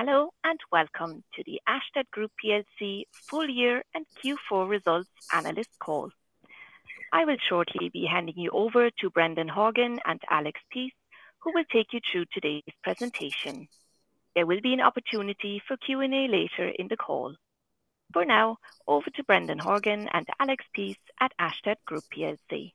Hello, and welcome to the Ashtead Group plc full year and Q4 results analyst call. I will shortly be handing you over to Brendan Horgan and Alex Pease, who will take you through today's presentation. There will be an opportunity for Q&A later in the call. For now, over to Brendan Horgan and Alex Pease at Ashtead Group plc.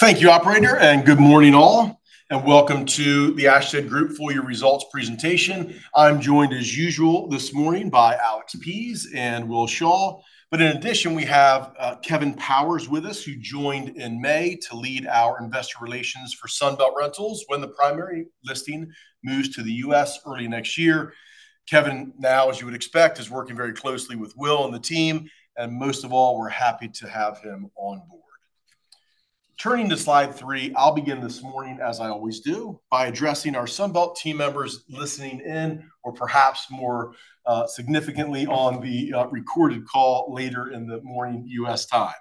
Thank you, Operator, and good morning, all. Welcome to the Ashtead Group full year results presentation. I'm joined, as usual, this morning by Alex Pease and Will Shaw. In addition, we have Kevin Powers with us, who joined in May to lead our Investor Relations for Sunbelt Rentals when the primary listing moves to the U.S. early next year. Kevin, now, as you would expect, is working very closely with Will and the team. Most of all, we're happy to have him on board. Turning to slide three, I'll begin this morning, as I always do, by addressing our Sunbelt team members listening in, or perhaps more significantly on the recorded call later in the morning U.S. time.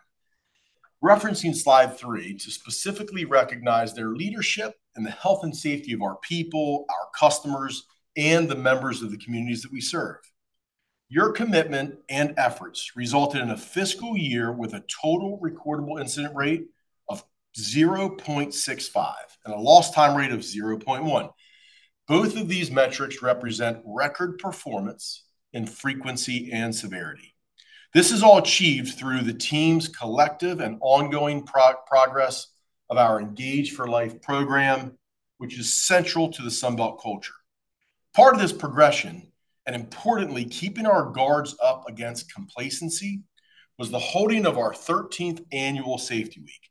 Referencing slide three to specifically recognize their leadership and the health and safety of our people, our customers, and the members of the communities that we serve. Your commitment and efforts resulted in a fiscal year with a total recordable incident rate of 0.65 and a lost time rate of 0.1. Both of these metrics represent record performance in frequency and severity. This is all achieved through the team's collective and ongoing progress of our Engage for Life program, which is central to the Sunbelt culture. Part of this progression, and importantly, keeping our guards up against complacency, was the holding of our 13th annual safety week,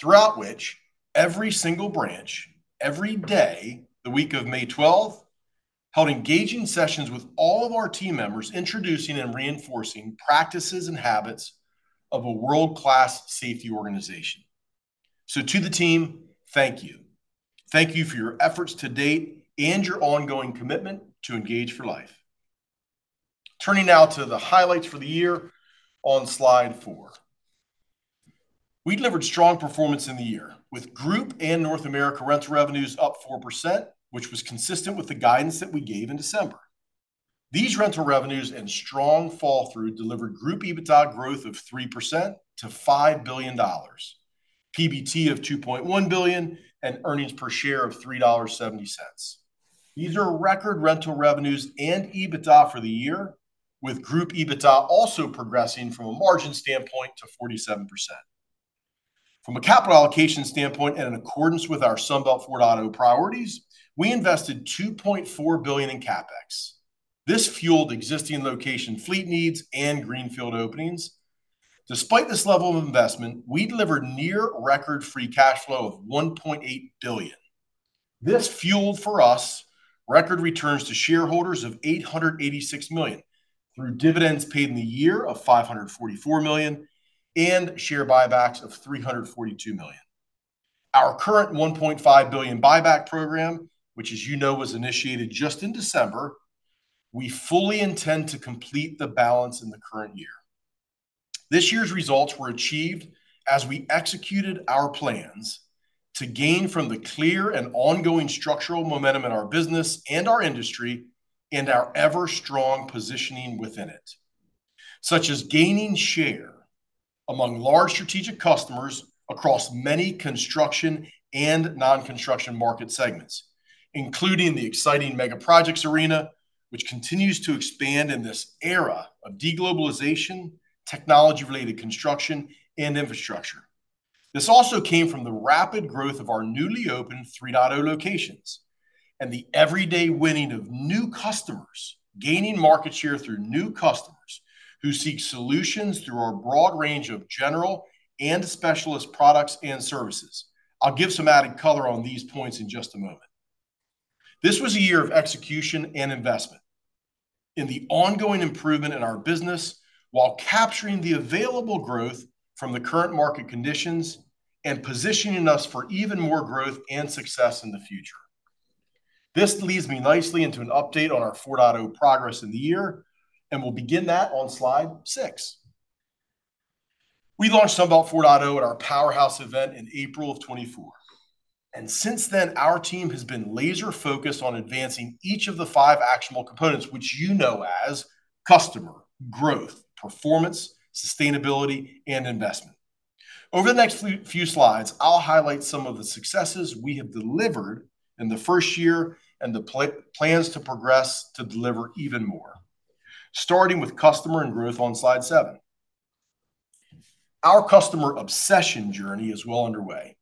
throughout which every single branch, every day, the week of May 12, held engaging sessions with all of our team members, introducing and reinforcing practices and habits of a world-class safety organization. To the team, thank you. Thank you for your efforts to date and your ongoing commitment to Engage for Life. Turning now to the highlights for the year on slide four. We delivered strong performance in the year, with group and North America rental revenues up 4%, which was consistent with the guidance that we gave in December. These rental revenues and strong fall-through delivered group EBITDA growth of 3% to $5 billion, PBT of $2.1 billion, and earnings per share of $3.70. These are record rental revenues and EBITDA for the year, with group EBITDA also progressing from a margin standpoint to 47%. From a capital allocation standpoint, and in accordance with our Sunbelt 4.0 priorities, we invested $2.4 billion in CapEx. This fueled existing location fleet needs and greenfield openings. Despite this level of investment, we delivered near-record free cash flow of $1.8 billion. This fueled, for us, record returns to shareholders of $886 million through dividends paid in the year of $544 million and share buybacks of $342 million. Our current $1.5 billion buyback program, which, as you know, was initiated just in December, we fully intend to complete the balance in the current year. This year's results were achieved as we executed our plans to gain from the clear and ongoing structural momentum in our business and our industry and our ever-strong positioning within it, such as gaining share among large strategic customers across many construction and non-construction market segments, including the exciting mega projects arena, which continues to expand in this era of deglobalization, technology-related construction, and infrastructure. This also came from the rapid growth of our newly opened 3.0 locations and the everyday winning of new customers, gaining market share through new customers who seek solutions through our broad range of general and specialist products and services. I'll give some added color on these points in just a moment. This was a year of execution and investment in the ongoing improvement in our business while capturing the available growth from the current market conditions and positioning us for even more growth and success in the future. This leads me nicely into an update on our 4.0 progress in the year and will begin that on slide six. We launched Sunbelt 4.0 at our Powerhouse event in April of 2024. Since then, our team has been laser-focused on advancing each of the five actionable components, which you know as customer, growth, performance, sustainability, and investment. Over the next few slides, I'll highlight some of the successes we have delivered in the first year and the plans to progress to deliver even more, starting with customer and growth on slide seven. Our customer obsession journey is well underway.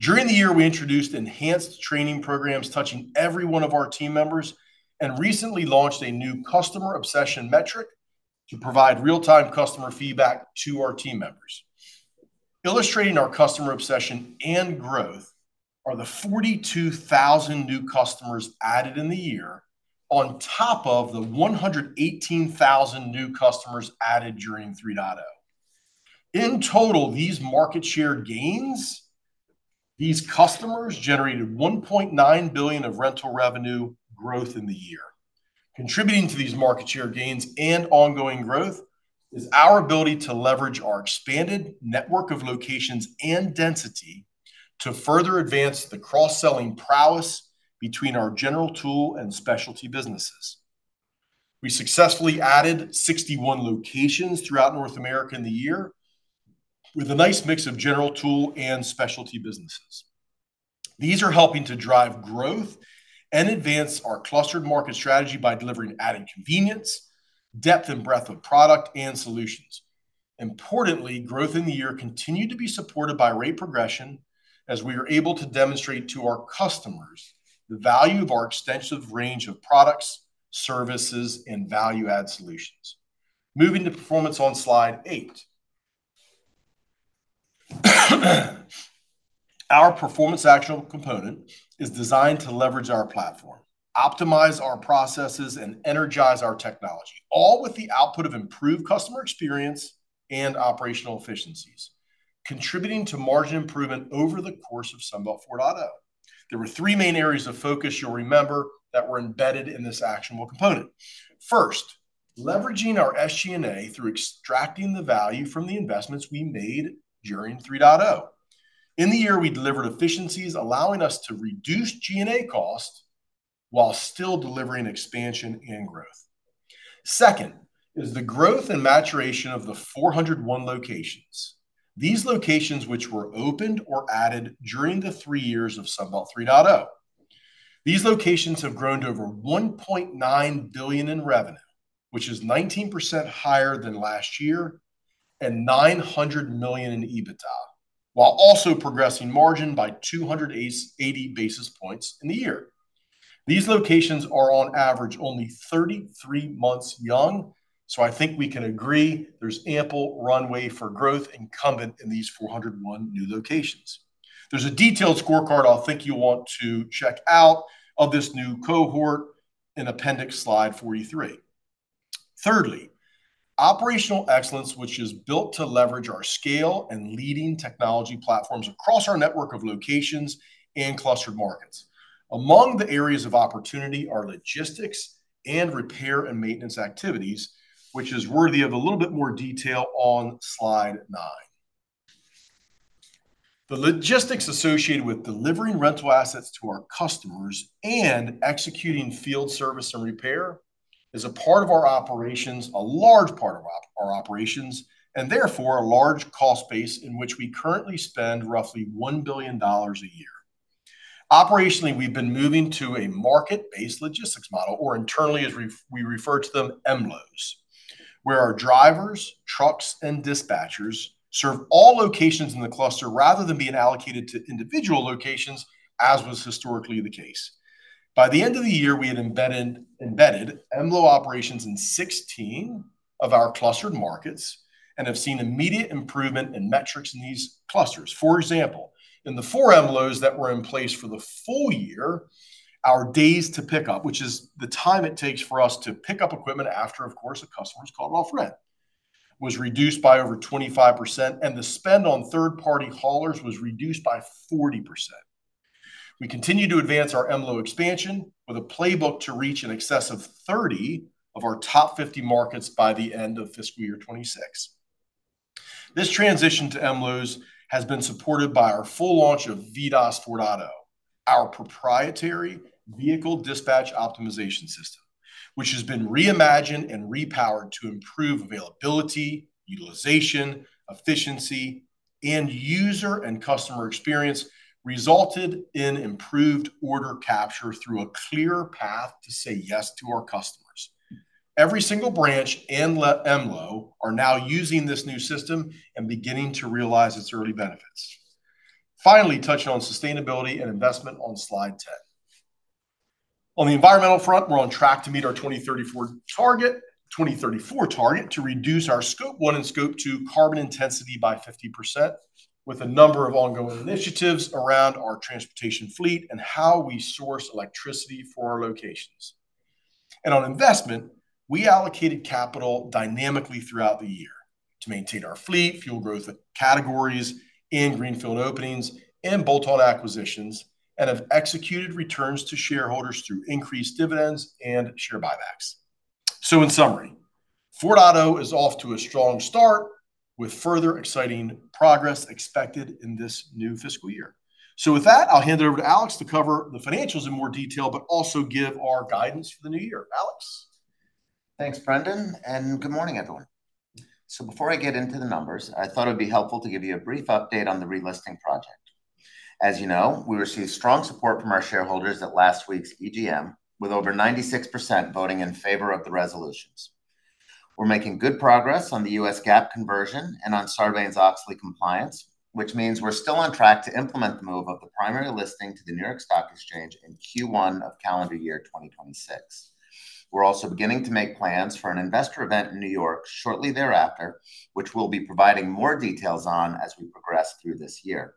During the year, we introduced enhanced training programs touching every one of our team members and recently launched a new customer obsession metric to provide real-time customer feedback to our team members. Illustrating our customer obsession and growth are the 42,000 new customers added in the year on top of the 118,000 new customers added during 3.0. In total, these market share gains, these customers generated $1.9 billion of rental revenue growth in the year. Contributing to these market share gains and ongoing growth is our ability to leverage our expanded network of locations and density to further advance the cross-selling prowess between our general tool and specialty businesses. We successfully added 61 locations throughout North America in the year with a nice mix of general tool and specialty businesses. These are helping to drive growth and advance our clustered market strategy by delivering added convenience, depth, and breadth of product and solutions. Importantly, growth in the year continued to be supported by rate progression as we were able to demonstrate to our customers the value of our extensive range of products, services, and value-add solutions. Moving to performance on slide eight. Our performance actionable component is designed to leverage our platform, optimize our processes, and energize our technology, all with the output of improved customer experience and operational efficiencies, contributing to margin improvement over the course of Sunbelt 4.0. There were three main areas of focus you'll remember that were embedded in this actionable component. First, leveraging our SG&A through extracting the value from the investments we made during 3.0. In the year, we delivered efficiencies, allowing us to reduce G&A costs while still delivering expansion and growth. Second is the growth and maturation of the 401 locations, these locations which were opened or added during the three years of Sunbelt 3.0. These locations have grown to over $1.9 billion in revenue, which is 19% higher than last year and $900 million in EBITDA, while also progressing margin by 280 basis points in the year. These locations are on average only 33 months young, so I think we can agree there's ample runway for growth incumbent in these 401 new locations. There's a detailed scorecard I think you'll want to check out of this new cohort in appendix slide 43. Thirdly, operational excellence, which is built to leverage our scale and leading technology platforms across our network of locations and clustered markets. Among the areas of opportunity are logistics and repair and maintenance activities, which is worthy of a little bit more detail on slide nine. The logistics associated with delivering rental assets to our customers and executing field service and repair is a part of our operations, a large part of our operations, and therefore a large cost base in which we currently spend roughly $1 billion a year. Operationally, we've been moving to a market-based logistics model, or internally, as we refer to them, MLOs, where our drivers, trucks, and dispatchers serve all locations in the cluster rather than being allocated to individual locations, as was historically the case. By the end of the year, we had embedded MLO operations in 16 of our clustered markets and have seen immediate improvement in metrics in these clusters. For example, in the four MLOs that were in place for the full year, our days to pick up, which is the time it takes for us to pick up equipment after, of course, a customer is called off rent, was reduced by over 25%, and the spend on third-party haulers was reduced by 40%. We continue to advance our MLO expansion with a playbook to reach an excess of 30 of our top 50 markets by the end of fiscal year 2026. This transition to MLOs has been supported by our full launch of VDOS 4.0 our proprietary vehicle dispatch optimization system, which has been reimagined and repowered to improve availability, utilization, efficiency, and user and customer experience, resulting in improved order capture through a clear path to say yes to our customers. Every single branch and MLO are now using this new system and beginning to realize its early benefits. Finally, touching on sustainability and investment on slide 10. On the environmental front, we're on track to meet our 2034 target to reduce our scope one and scope two carbon intensity by 50% with a number of ongoing initiatives around our transportation fleet and how we source electricity for our locations. On investment, we allocated capital dynamically throughout the year to maintain our fleet, fuel growth categories, and greenfield openings and bolt-on acquisitions, and have executed returns to shareholders through increased dividends and share buybacks. In summary, Sunbelt 4.0 is off to a strong start with further exciting progress expected in this new fiscal year. With that, I'll hand it over to Alex to cover the financials in more detail, but also give our guidance for the new year. Alex. Thanks, Brendan, and good morning, everyone. Before I get into the numbers, I thought it would be helpful to give you a brief update on the relisting project. As you know, we received strong support from our shareholders at last week's AGM, with over 96% voting in favor of the resolutions. We're making good progress on the U.S. GAAP conversion and on Sarbanes-Oxley compliance, which means we're still on track to implement the move of the primary listing to the New York Stock Exchange in Q1 of calendar year 2026. We're also beginning to make plans for an investor event in New York shortly thereafter, which we'll be providing more details on as we progress through this year.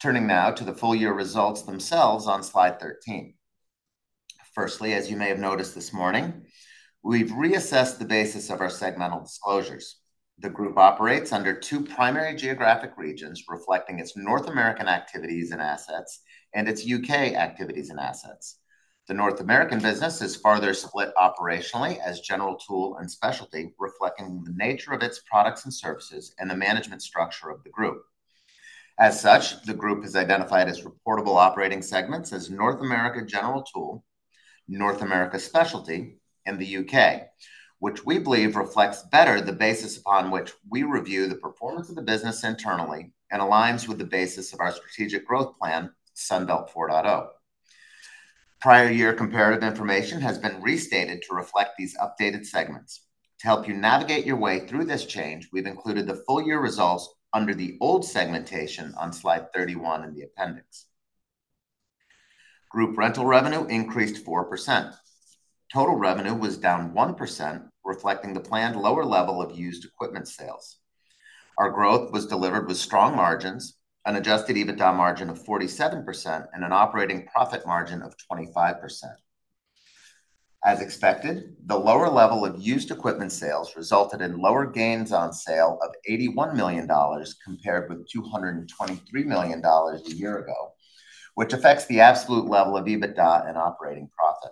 Turning now to the full year results themselves on slide 13. Firstly, as you may have noticed this morning, we've reassessed the basis of our segmental disclosures. The group operates under two primary geographic regions reflecting its North American activities and assets and its U.K. activities and assets. The North American business is farther split operationally as general tool and specialty, reflecting the nature of its products and services and the management structure of the group. As such, the group is identified as reportable operating segments as North America general tool, North America specialty, and the U.K., which we believe reflects better the basis upon which we review the performance of the business internally and aligns with the basis of our strategic growth plan, Sunbelt 4.0. Prior year comparative information has been restated to reflect these updated segments. To help you navigate your way through this change, we've included the full year results under the old segmentation on slide 31 in the appendix. Group rental revenue increased 4%. Total revenue was down 1%, reflecting the planned lower level of used equipment sales. Our growth was delivered with strong margins, an adjusted EBITDA margin of 47%, and an operating profit margin of 25%. As expected, the lower level of used equipment sales resulted in lower gains on sale of $81 million compared with $223 million a year ago, which affects the absolute level of EBITDA and operating profit.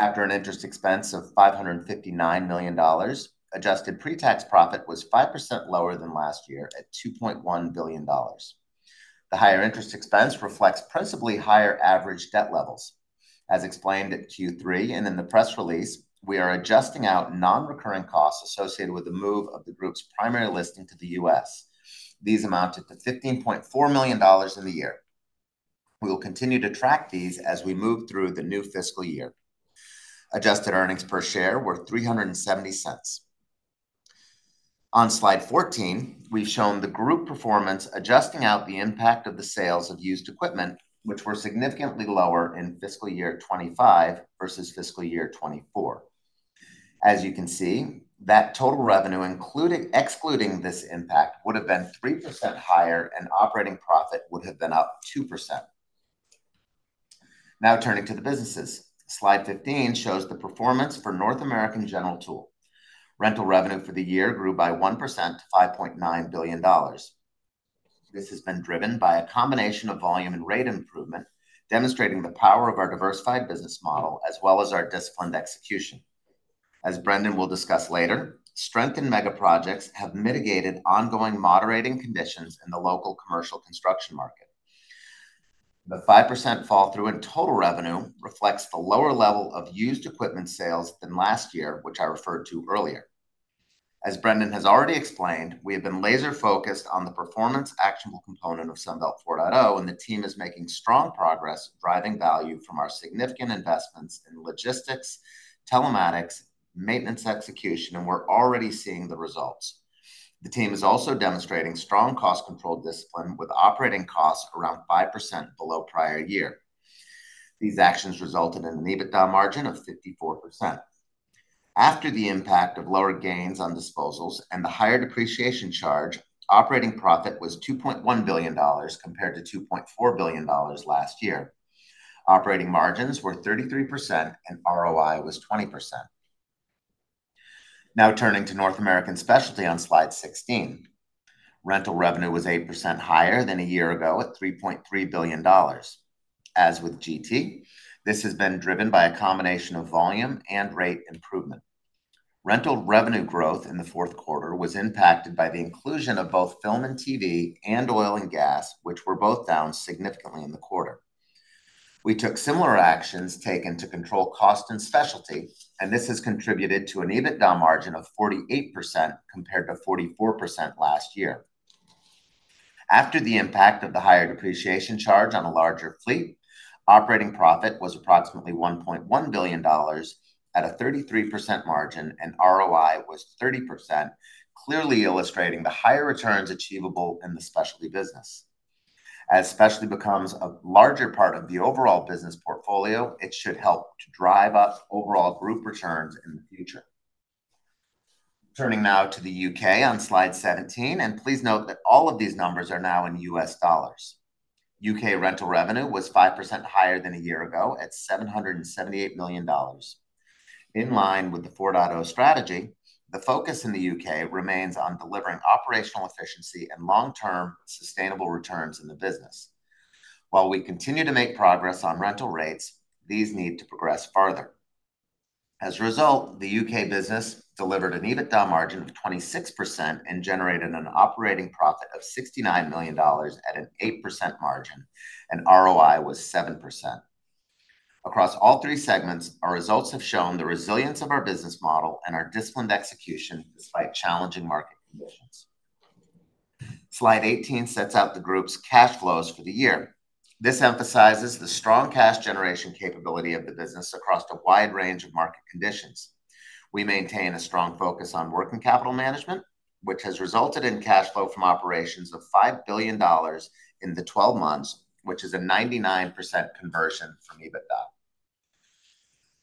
After an interest expense of $559 million, adjusted pre-tax profit was 5% lower than last year at $2.1 billion. The higher interest expense reflects principally higher average debt levels. As explained at Q3 and in the press release, we are adjusting out non-recurring costs associated with the move of the group's primary listing to the U.S. These amounted to $15.4 million in the year. We will continue to track these as we move through the new fiscal year. Adjusted earnings per share were $0.37. On slide 14, we've shown the group performance adjusting out the impact of the sales of used equipment, which were significantly lower in fiscal year 2025 versus fiscal year 2024. As you can see, that total revenue, excluding this impact, would have been 3% higher, and operating profit would have been up 2%. Now turning to the businesses, slide 15 shows the performance for North American general tool. Rental revenue for the year grew by 1% to $5.9 billion. This has been driven by a combination of volume and rate improvement, demonstrating the power of our diversified business model as well as our disciplined execution. As Brendan will discuss later, strengthened mega projects have mitigated ongoing moderating conditions in the local commercial construction market. The 5% fall through in total revenue reflects the lower level of used equipment sales than last year, which I referred to earlier. As Brendan has already explained, we have been laser-focused on the performance actionable component of Sunbelt 4.0, and the team is making strong progress, driving value from our significant investments in logistics, telematics, maintenance execution, and we're already seeing the results. The team is also demonstrating strong cost-controlled discipline with operating costs around 5% below prior year. These actions resulted in an EBITDA margin of 54%. After the impact of lower gains on disposals and the higher depreciation charge, operating profit was $2.1 billion compared to $2.4 billion last year. Operating margins were 33%, and ROI was 20%. Now turning to North American specialty on slide 16, rental revenue was 8% higher than a year ago at $3.3 billion. As with GT, this has been driven by a combination of volume and rate improvement. Rental revenue growth in the fourth quarter was impacted by the inclusion of both film and TV and oil and gas, which were both down significantly in the quarter. We took similar actions taken to control cost and specialty, and this has contributed to an EBITDA margin of 48% compared to 44% last year. After the impact of the higher depreciation charge on a larger fleet, operating profit was approximately $1.1 billion at a 33% margin, and ROI was 30%, clearly illustrating the higher returns achievable in the specialty business. As specialty becomes a larger part of the overall business portfolio, it should help to drive up overall group returns in the future. Turning now to the U.K. on slide 17, and please note that all of these numbers are now in U.S. dollars. U.K. rental revenue was 5% higher than a year ago at $778 million. In line with the 4.0 strategy, the focus in the U.K. remains on delivering operational efficiency and long-term sustainable returns in the business. While we continue to make progress on rental rates, these need to progress further. As a result, the U.K. business delivered an EBITDA margin of 26% and generated an operating profit of $69 million at an 8% margin, and ROI was 7%. Across all three segments, our results have shown the resilience of our business model and our disciplined execution despite challenging market conditions. Slide 18 sets out the group's cash flows for the year. This emphasizes the strong cash generation capability of the business across a wide range of market conditions. We maintain a strong focus on working capital management, which has resulted in cash flow from operations of $5 billion in the 12 months, which is a 99% conversion from EBITDA.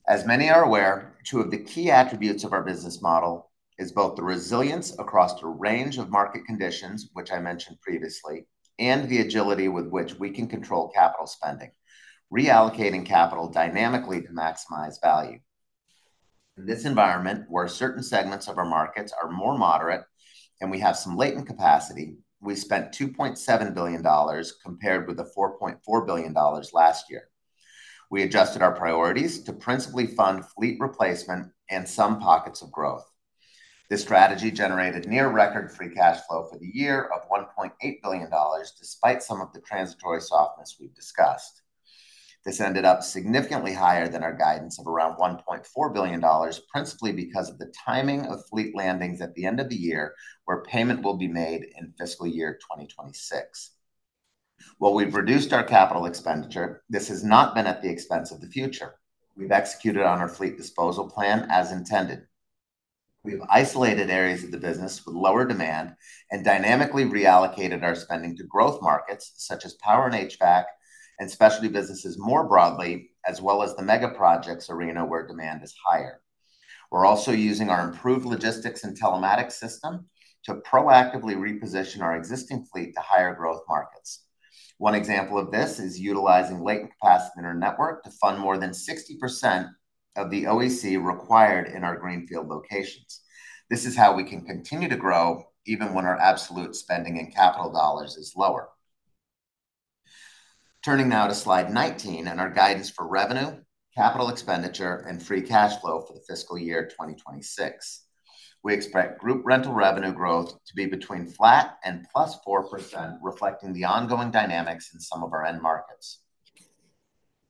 As many are aware, two of the key attributes of our business model are both the resilience across the range of market conditions, which I mentioned previously, and the agility with which we can control capital spending, reallocating capital dynamically to maximize value. In this environment, where certain segments of our markets are more moderate and we have some latent capacity, we spent $2.7 billion compared with the $4.4 billion last year. We adjusted our priorities to principally fund fleet replacement and some pockets of growth. This strategy generated near-record free cash flow for the year of $1.8 billion, despite some of the transitory softness we've discussed. This ended up significantly higher than our guidance of around $1.4 billion, principally because of the timing of fleet landings at the end of the year, where payment will be made in fiscal year 2026. While we've reduced our capital expenditure, this has not been at the expense of the future. We've executed on our fleet disposal plan as intended. We've isolated areas of the business with lower demand and dynamically reallocated our spending to growth markets such as power and HVAC and specialty businesses more broadly, as well as the mega projects arena where demand is higher. We're also using our improved logistics and telematics system to proactively reposition our existing fleet to higher growth markets. One example of this is utilizing latent capacity in our network to fund more than 60% of the OEC required in our greenfield locations. This is how we can continue to grow even when our absolute spending in capital dollars is lower. Turning now to slide 19 and our guidance for revenue, capital expenditure, and free cash flow for the fiscal year 2026. We expect group rental revenue growth to be between flat and +4%, reflecting the ongoing dynamics in some of our end markets.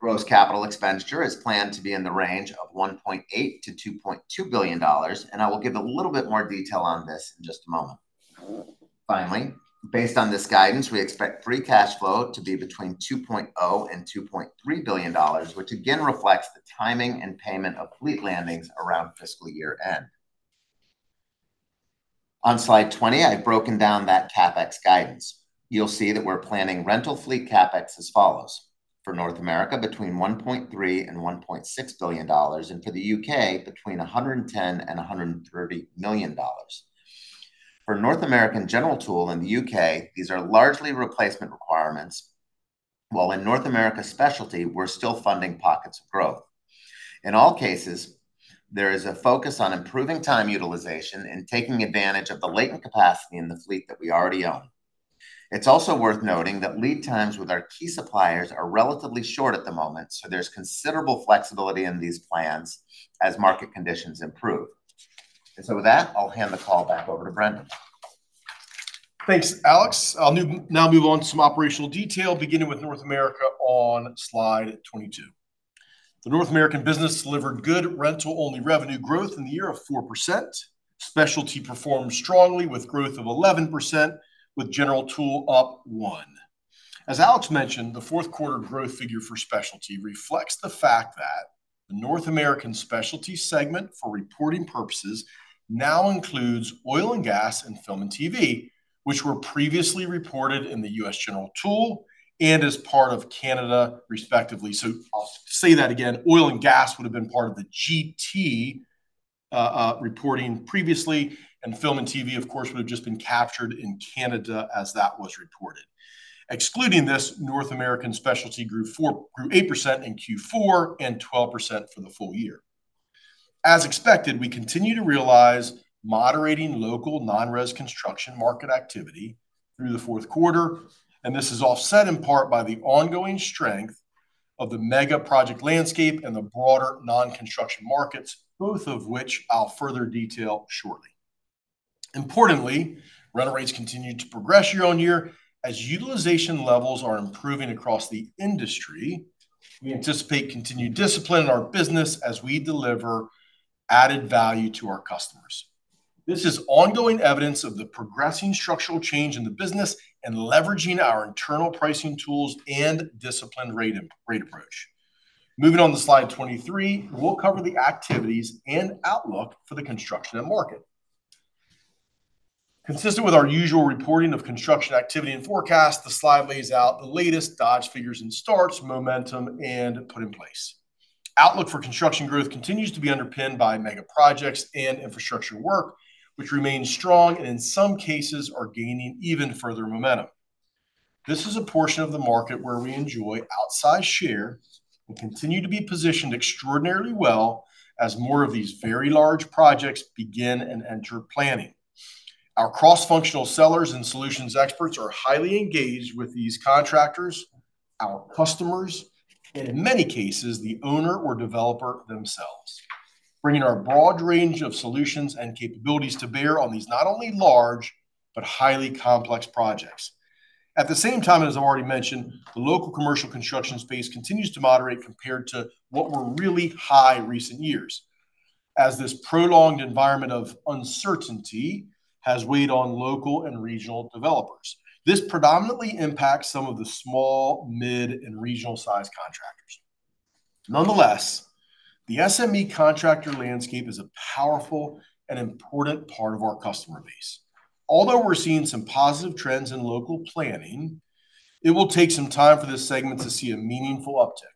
Gross capital expenditure is planned to be in the range of $1.8 billion-$2.2 billion, and I will give a little bit more detail on this in just a moment. Finally, based on this guidance, we expect free cash flow to be between $2.0 billion and $2.3 billion, which again reflects the timing and payment of fleet landings around fiscal year end. On slide 20, I've broken down that CapEx guidance. You'll see that we're planning rental fleet CapEx as follows: for North America, between $1.3 billion and $1.6 billion, and for the U.K., between $110 million and $130 million. For North American general tool in the U.K., these are largely replacement requirements, while in North America specialty, we're still funding pockets of growth. In all cases, there is a focus on improving time utilization and taking advantage of the latent capacity in the fleet that we already own. It's also worth noting that lead times with our key suppliers are relatively short at the moment, so there's considerable flexibility in these plans as market conditions improve. With that, I'll hand the call back over to Brendan. Thanks, Alex. I'll now move on to some operational detail, beginning with North America on slide 22. The North American business delivered good rental-only revenue growth in the year of 4%. Specialty performed strongly with growth of 11%, with general tool up 1%. As Alex mentioned, the fourth quarter growth figure for specialty reflects the fact that the North American specialty segment for reporting purposes now includes oil and gas and film and TV, which were previously reported in the U.S. general tool and as part of Canada, respectively. I'll say that again, oil and gas would have been part of the GT reporting previously, and film and TV, of course, would have just been captured in Canada as that was reported. Excluding this, North American specialty grew 8% in Q4 and 12% for the full year. As expected, we continue to realize moderating local non-res construction market activity through the fourth quarter, and this is offset in part by the ongoing strength of the mega project landscape and the broader non-construction markets, both of which I'll further detail shortly. Importantly, rental rates continue to progress year on year as utilization levels are improving across the industry. We anticipate continued discipline in our business as we deliver added value to our customers. This is ongoing evidence of the progressing structural change in the business and leveraging our internal pricing tools and disciplined rate approach. Moving on to slide 23, we'll cover the activities and outlook for the construction market. Consistent with our usual reporting of construction activity and forecast, the slide lays out the latest Dodge figures and starts, momentum, and put in place. Outlook for construction growth continues to be underpinned by mega projects and infrastructure work, which remain strong and in some cases are gaining even further momentum. This is a portion of the market where we enjoy outsized share and continue to be positioned extraordinarily well as more of these very large projects begin and enter planning. Our cross-functional sellers and solutions experts are highly engaged with these contractors, our customers, and in many cases, the owner or developer themselves, bringing our broad range of solutions and capabilities to bear on these not only large, but highly complex projects. At the same time, as I've already mentioned, the local commercial construction space continues to moderate compared to what were really high recent years, as this prolonged environment of uncertainty has weighed on local and regional developers. This predominantly impacts some of the small, mid, and regional-sized contractors. Nonetheless, the SME contractor landscape is a powerful and important part of our customer base. Although we're seeing some positive trends in local planning, it will take some time for this segment to see a meaningful uptick.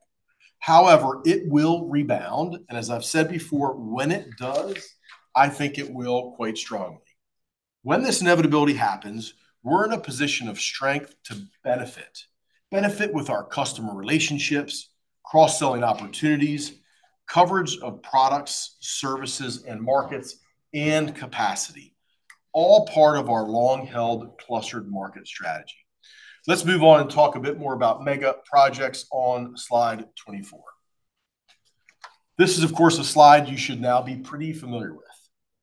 However, it will rebound, and as I've said before, when it does, I think it will quite strongly. When this inevitability happens, we're in a position of strength to benefit, benefit with our customer relationships, cross-selling opportunities, coverage of products, services, and markets, and capacity, all part of our long-held clustered market strategy. Let's move on and talk a bit more about mega projects on slide 24. This is, of course, a slide you should now be pretty familiar with.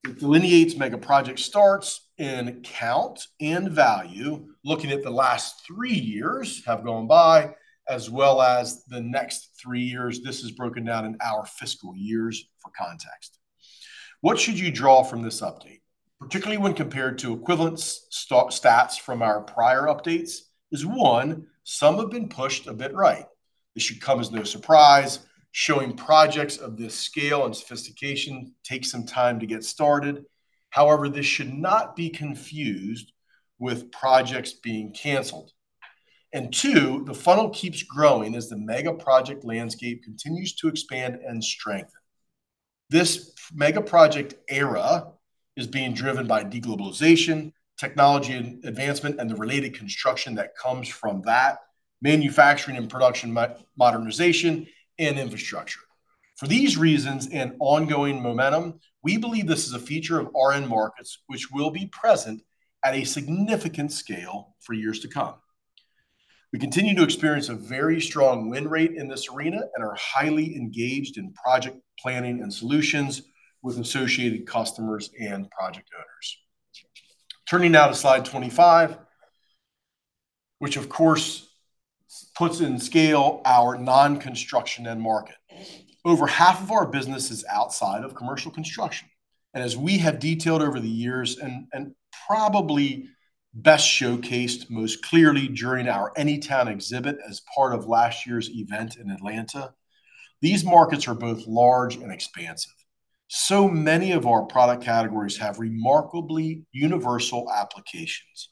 It delineates mega project starts in count and value, looking at the last three years have gone by, as well as the next three years. This is broken down in our fiscal years for context. What should you draw from this update, particularly when compared to equivalence stats from our prior updates? One, some have been pushed a bit right. This should come as no surprise, showing projects of this scale and sophistication take some time to get started. However, this should not be confused with projects being canceled. Two, the funnel keeps growing as the mega project landscape continues to expand and strengthen. This mega project era is being driven by deglobalization, technology advancement, and the related construction that comes from that manufacturing and production modernization and infrastructure. For these reasons and ongoing momentum, we believe this is a feature of our end markets, which will be present at a significant scale for years to come. We continue to experience a very strong win rate in this arena and are highly engaged in project planning and solutions with associated customers and project owners. Turning now to slide 25, which, of course, puts in scale our non-construction end market. Over half of our business is outside of commercial construction. As we have detailed over the years and probably best showcased most clearly during our AnyTown exhibit as part of last year's event in Atlanta, these markets are both large and expansive. So many of our product categories have remarkably universal applications,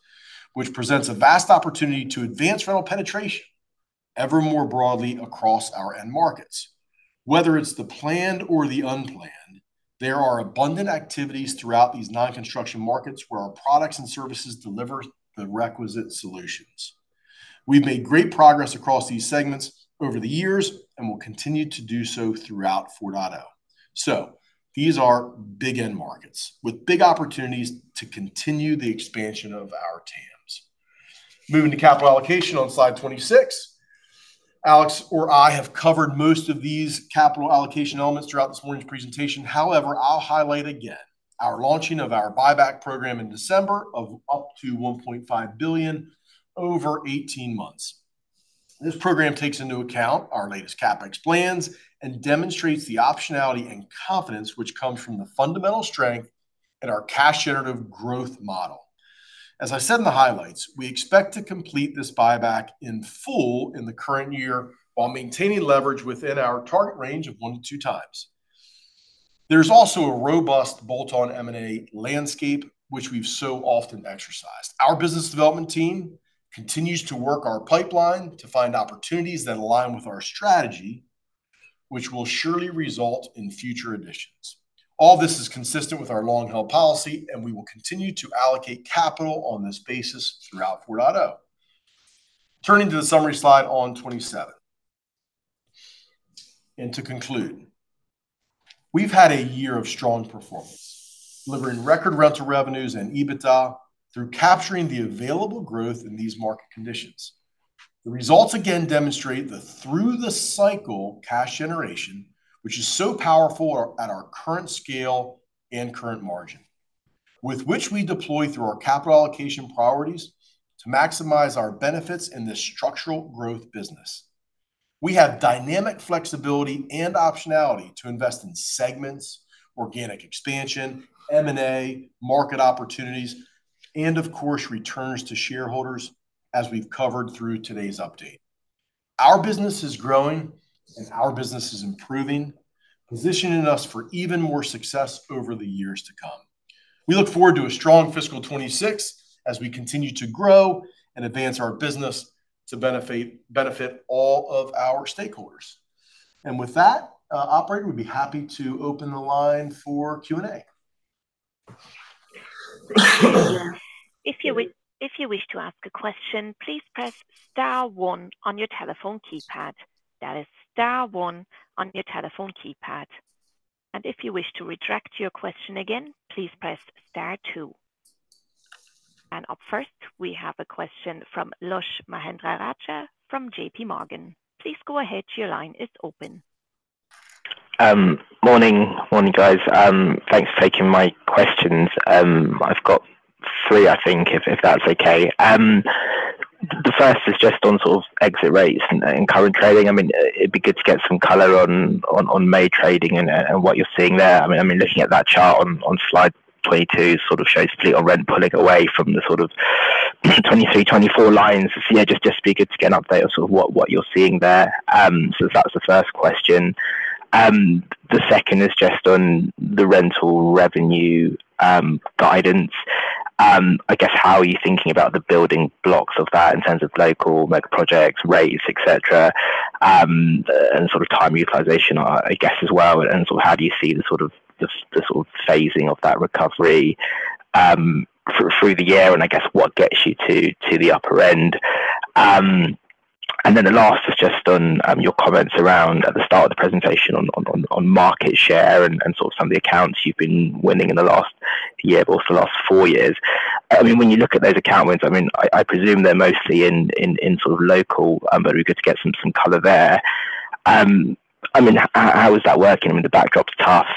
which presents a vast opportunity to advance rental penetration ever more broadly across our end markets. Whether it's the planned or the unplanned, there are abundant activities throughout these non-construction markets where our products and services deliver the requisite solutions. We've made great progress across these segments over the years and will continue to do so throughout 4.0. These are big end markets with big opportunities to continue the expansion of our TAMs. Moving to capital allocation on slide 26. Alex or I have covered most of these capital allocation elements throughout this morning's presentation. However, I'll highlight again our launching of our buyback program in December of up to $1.5 billion over 18 months. This program takes into account our latest CapEx plans and demonstrates the optionality and confidence which comes from the fundamental strength and our cash-generative growth model. As I said in the highlights, we expect to complete this buyback in full in the current year while maintaining leverage within our target range of one to two times. There is also a robust bolt-on M&A landscape, which we've so often exercised. Our business development team continues to work our pipeline to find opportunities that align with our strategy, which will surely result in future additions. All this is consistent with our long-held policy, and we will continue to allocate capital on this basis throughout 4.0. Turning to the summary slide on 27. To conclude, we've had a year of strong performance, delivering record rental revenues and EBITDA through capturing the available growth in these market conditions. The results again demonstrate the through-the-cycle cash generation, which is so powerful at our current scale and current margin, with which we deploy through our capital allocation priorities to maximize our benefits in this structural growth business. We have dynamic flexibility and optionality to invest in segments, organic expansion, M&A, market opportunities, and of course, returns to shareholders as we've covered through today's update. Our business is growing and our business is improving, positioning us for even more success over the years to come. We look forward to a strong fiscal 2026 as we continue to grow and advance our business to benefit all of our stakeholders. With that, Operator, we'd be happy to open the line for Q&A. If you wish to ask a question, please press Star one on your telephone keypad. That is Star one on your telephone keypad. If you wish to retract your question again, please press Star two. Up first, we have a question from Lush Mahendrarajah from JPMorgan. Please go ahead. Your line is open. Morning, guys. Thanks for taking my questions. I've got three, I think, if that's okay. The first is just on sort of exit rates and current trading. I mean, it'd be good to get some color on May trading and what you're seeing there. I mean, looking at that chart on slide 22 sort of shows split on rent pulling away from the sort of 2023, 2024 lines. Just be good to get an update of sort of what you're seeing there. That's the first question. The second is just on the rental revenue guidance. I guess how are you thinking about the building blocks of that in terms of local mega projects, rates, etc., and sort of time utilization, I guess, as well? How do you see the sort of phasing of that recovery through the year? I guess what gets you to the upper end? The last is just on your comments around at the start of the presentation on market share and sort of some of the accounts you've been winning in the last year, but also the last four years. I mean, when you look at those account wins, I mean, I presume they're mostly in sort of local, but it'd be good to get some color there. I mean, how is that working? I mean, the backdrop's tough.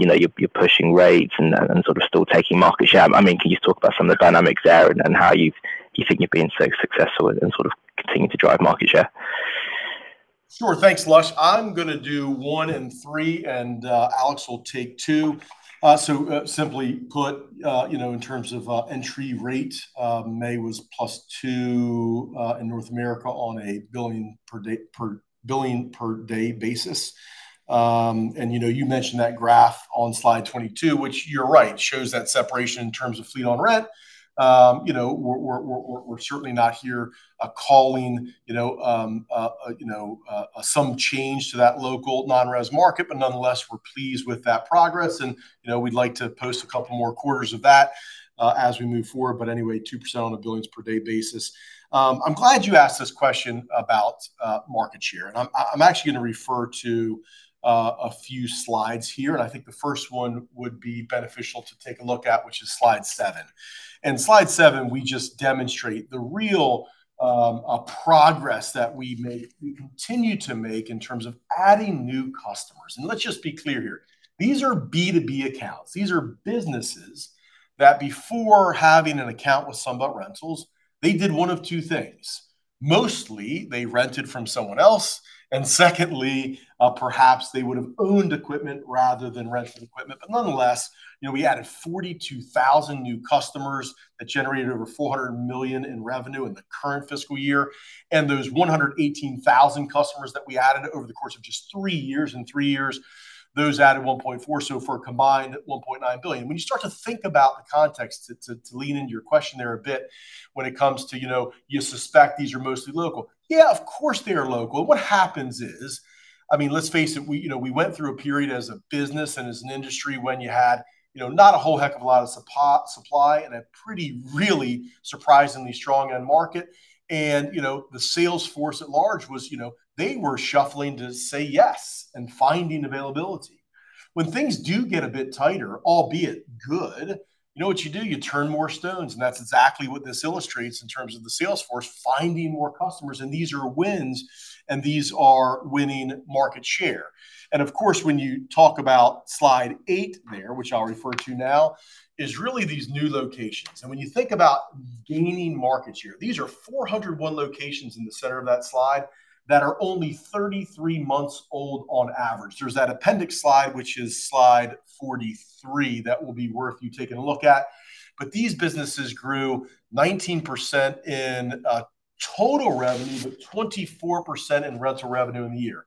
You're pushing rates and sort of still taking market share. I mean, can you talk about some of the dynamics there and how you think you've been so successful in sort of continuing to drive market share? Sure. Thanks, Lush. I'm going to do one and three, and Alex will take two. Simply put, in terms of entry rate, May was +2% in North America on a billions-per-day basis. You mentioned that graph on slide 22, which, you're right, shows that separation in terms of fleet on rent. We're certainly not here calling some change to that local non-res market, but nonetheless, we're pleased with that progress. We'd like to post a couple more quarters of that as we move forward. Anyway, 2% on a billions-per-day basis. I'm glad you asked this question about market share. I'm actually going to refer to a few slides here. I think the first one would be beneficial to take a look at, which is slide 7. Slide 7, we just demonstrate the real progress that we continue to make in terms of adding new customers. Let's just be clear here. These are B2B accounts. These are businesses that before having an account with Sunbelt Rentals, they did one of two things. Mostly, they rented from someone else. Secondly, perhaps they would have owned equipment rather than rented equipment. Nonetheless, we added 42,000 new customers that generated over $400 million in revenue in the current fiscal year. Those 118,000 customers that we added over the course of just three years, those added $1.4 billion. For a combined $1.9 billion. When you start to think about the context to lean into your question there a bit when it comes to you suspect these are mostly local. Yeah, of course they are local. What happens is, I mean, let's face it, we went through a period as a business and as an industry when you had not a whole heck of a lot of supply and a pretty really surprisingly strong end market. The sales force at large was, they were shuffling to say yes and finding availability. When things do get a bit tighter, albeit good, you know what you do? You turn more stones. That's exactly what this illustrates in terms of the sales force finding more customers. These are wins, and these are winning market share. Of course, when you talk about slide 8 there, which I'll refer to now, it is really these new locations. When you think about gaining market share, these are 401 locations in the center of that slide that are only 33 months old on average. There's that appendix slide, which is slide 43 that will be worth you taking a look at. These businesses grew 19% in total revenue, but 24% in rental revenue in the year.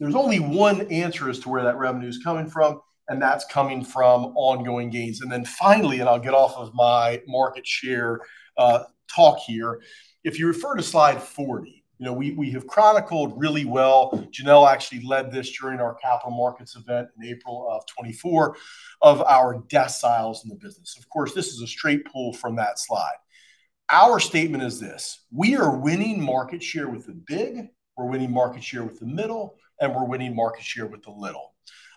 There's only one answer as to where that revenue is coming from, and that's coming from ongoing gains. Finally, and I'll get off of my market share talk here, if you refer to slide 40, we have chronicled really well. Janelle actually led this during our capital markets event in April of 2024 of our deciles in the business. Of course, this is a straight pull from that slide. Our statement is this: we are winning market share with the big. We're winning market share with the middle, and we're winning market share with the little.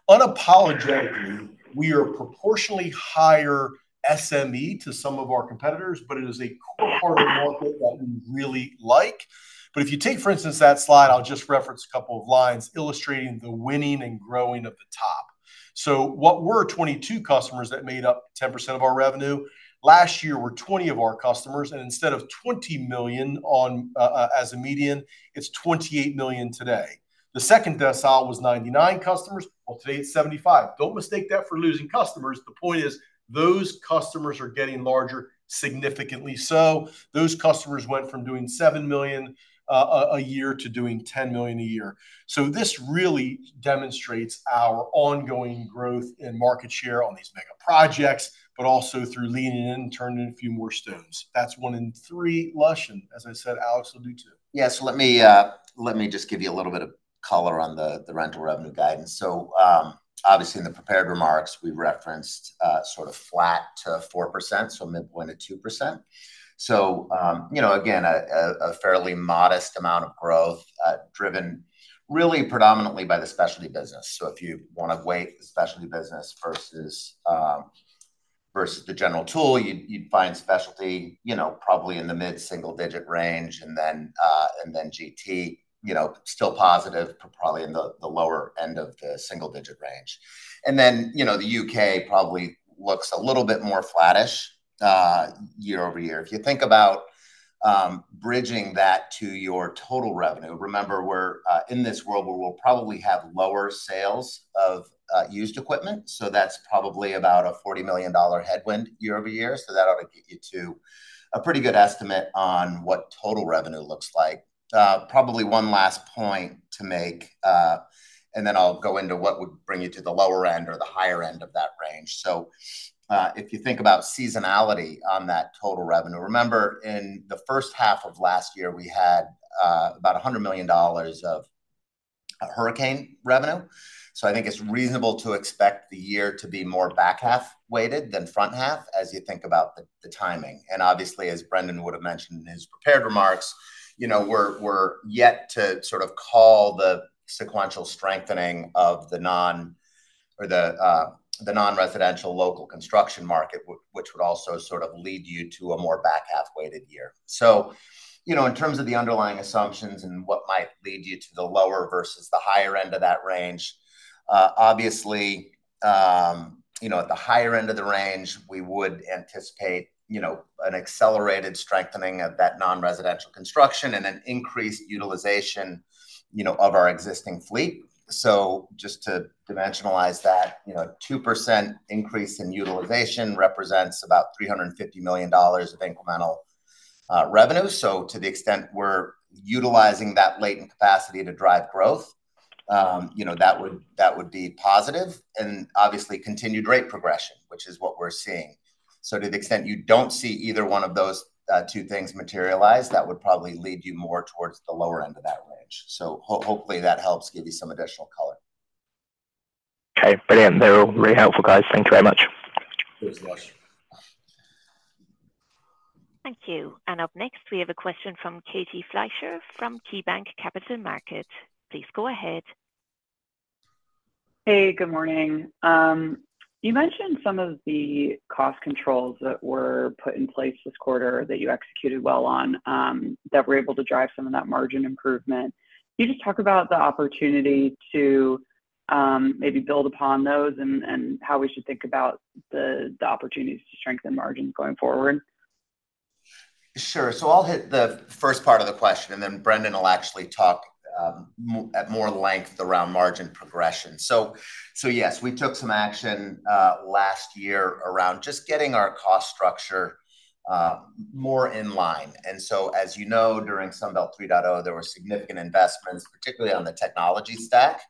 Unapologetically, we are proportionally higher SME to some of our competitors, but it is a core part of the market that we really like. If you take, for instance, that slide, I'll just reference a couple of lines illustrating the winning and growing of the top. What were 22 customers that made up 10% of our revenue last year are 20 of our customers now. Instead of $20 million as a median, it's $28 million today. The second decile was 99 customers; today it's 75. Do not mistake that for losing customers. The point is those customers are getting larger significantly. Those customers went from doing $7 million a year to doing $10 million a year. This really demonstrates our ongoing growth in market share on these mega projects, but also through leaning in and turning a few more stones. That's one in three. Lush, and as I said, Alex will do two. Yeah. Let me just give you a little bit of color on the rental revenue guidance. Obviously, in the prepared remarks, we've referenced flat to 4%, so midpoint at 2%. Again, a fairly modest amount of growth driven really predominantly by the specialty business. If you want to weigh the specialty business versus the general tool, you'd find specialty probably in the mid-single-digit range, and then GT still positive, but probably in the lower end of the single-digit range. The U.K. probably looks a little bit more flattish year over year. If you think about bridging that to your total revenue, remember we're in this world where we'll probably have lower sales of used equipment. That's probably about a $40 million headwind year over year. That ought to get you to a pretty good estimate on what total revenue looks like. Probably one last point to make, and then I'll go into what would bring you to the lower end or the higher end of that range. If you think about seasonality on that total revenue, remember in the first half of last year, we had about $100 million of hurricane revenue. I think it's reasonable to expect the year to be more back half weighted than front half as you think about the timing. Obviously, as Brendan would have mentioned in his prepared remarks, we're yet to sort of call the sequential strengthening of the non-residential local construction market, which would also sort of lead you to a more back half weighted year. In terms of the underlying assumptions and what might lead you to the lower versus the higher end of that range, obviously, at the higher end of the range, we would anticipate an accelerated strengthening of that non-residential construction and an increased utilization of our existing fleet. Just to dimensionalize that, a 2% increase in utilization represents about $350 million of incremental revenue. To the extent we're utilizing that latent capacity to drive growth, that would be positive. Obviously, continued rate progression, which is what we're seeing. To the extent you do not see either one of those two things materialize, that would probably lead you more towards the lower end of that range. Hopefully, that helps give you some additional color. Okay. Brilliant. They were really helpful, guys. Thank you very much. Thank you. Up next, we have a question from Katie Fleischer from KeyBanc Capital Markets. Please go ahead. Hey, good morning. You mentioned some of the cost controls that were put in place this quarter that you executed well on that were able to drive some of that margin improvement. Can you just talk about the opportunity to maybe build upon those and how we should think about the opportunities to strengthen margins going forward? Sure. I'll hit the first part of the question, and then Brendan will actually talk at more length around margin progression. Yes, we took some action last year around just getting our cost structure more in line. As you know, during Sunbelt 3.0, there were significant investments, particularly on the technology stack,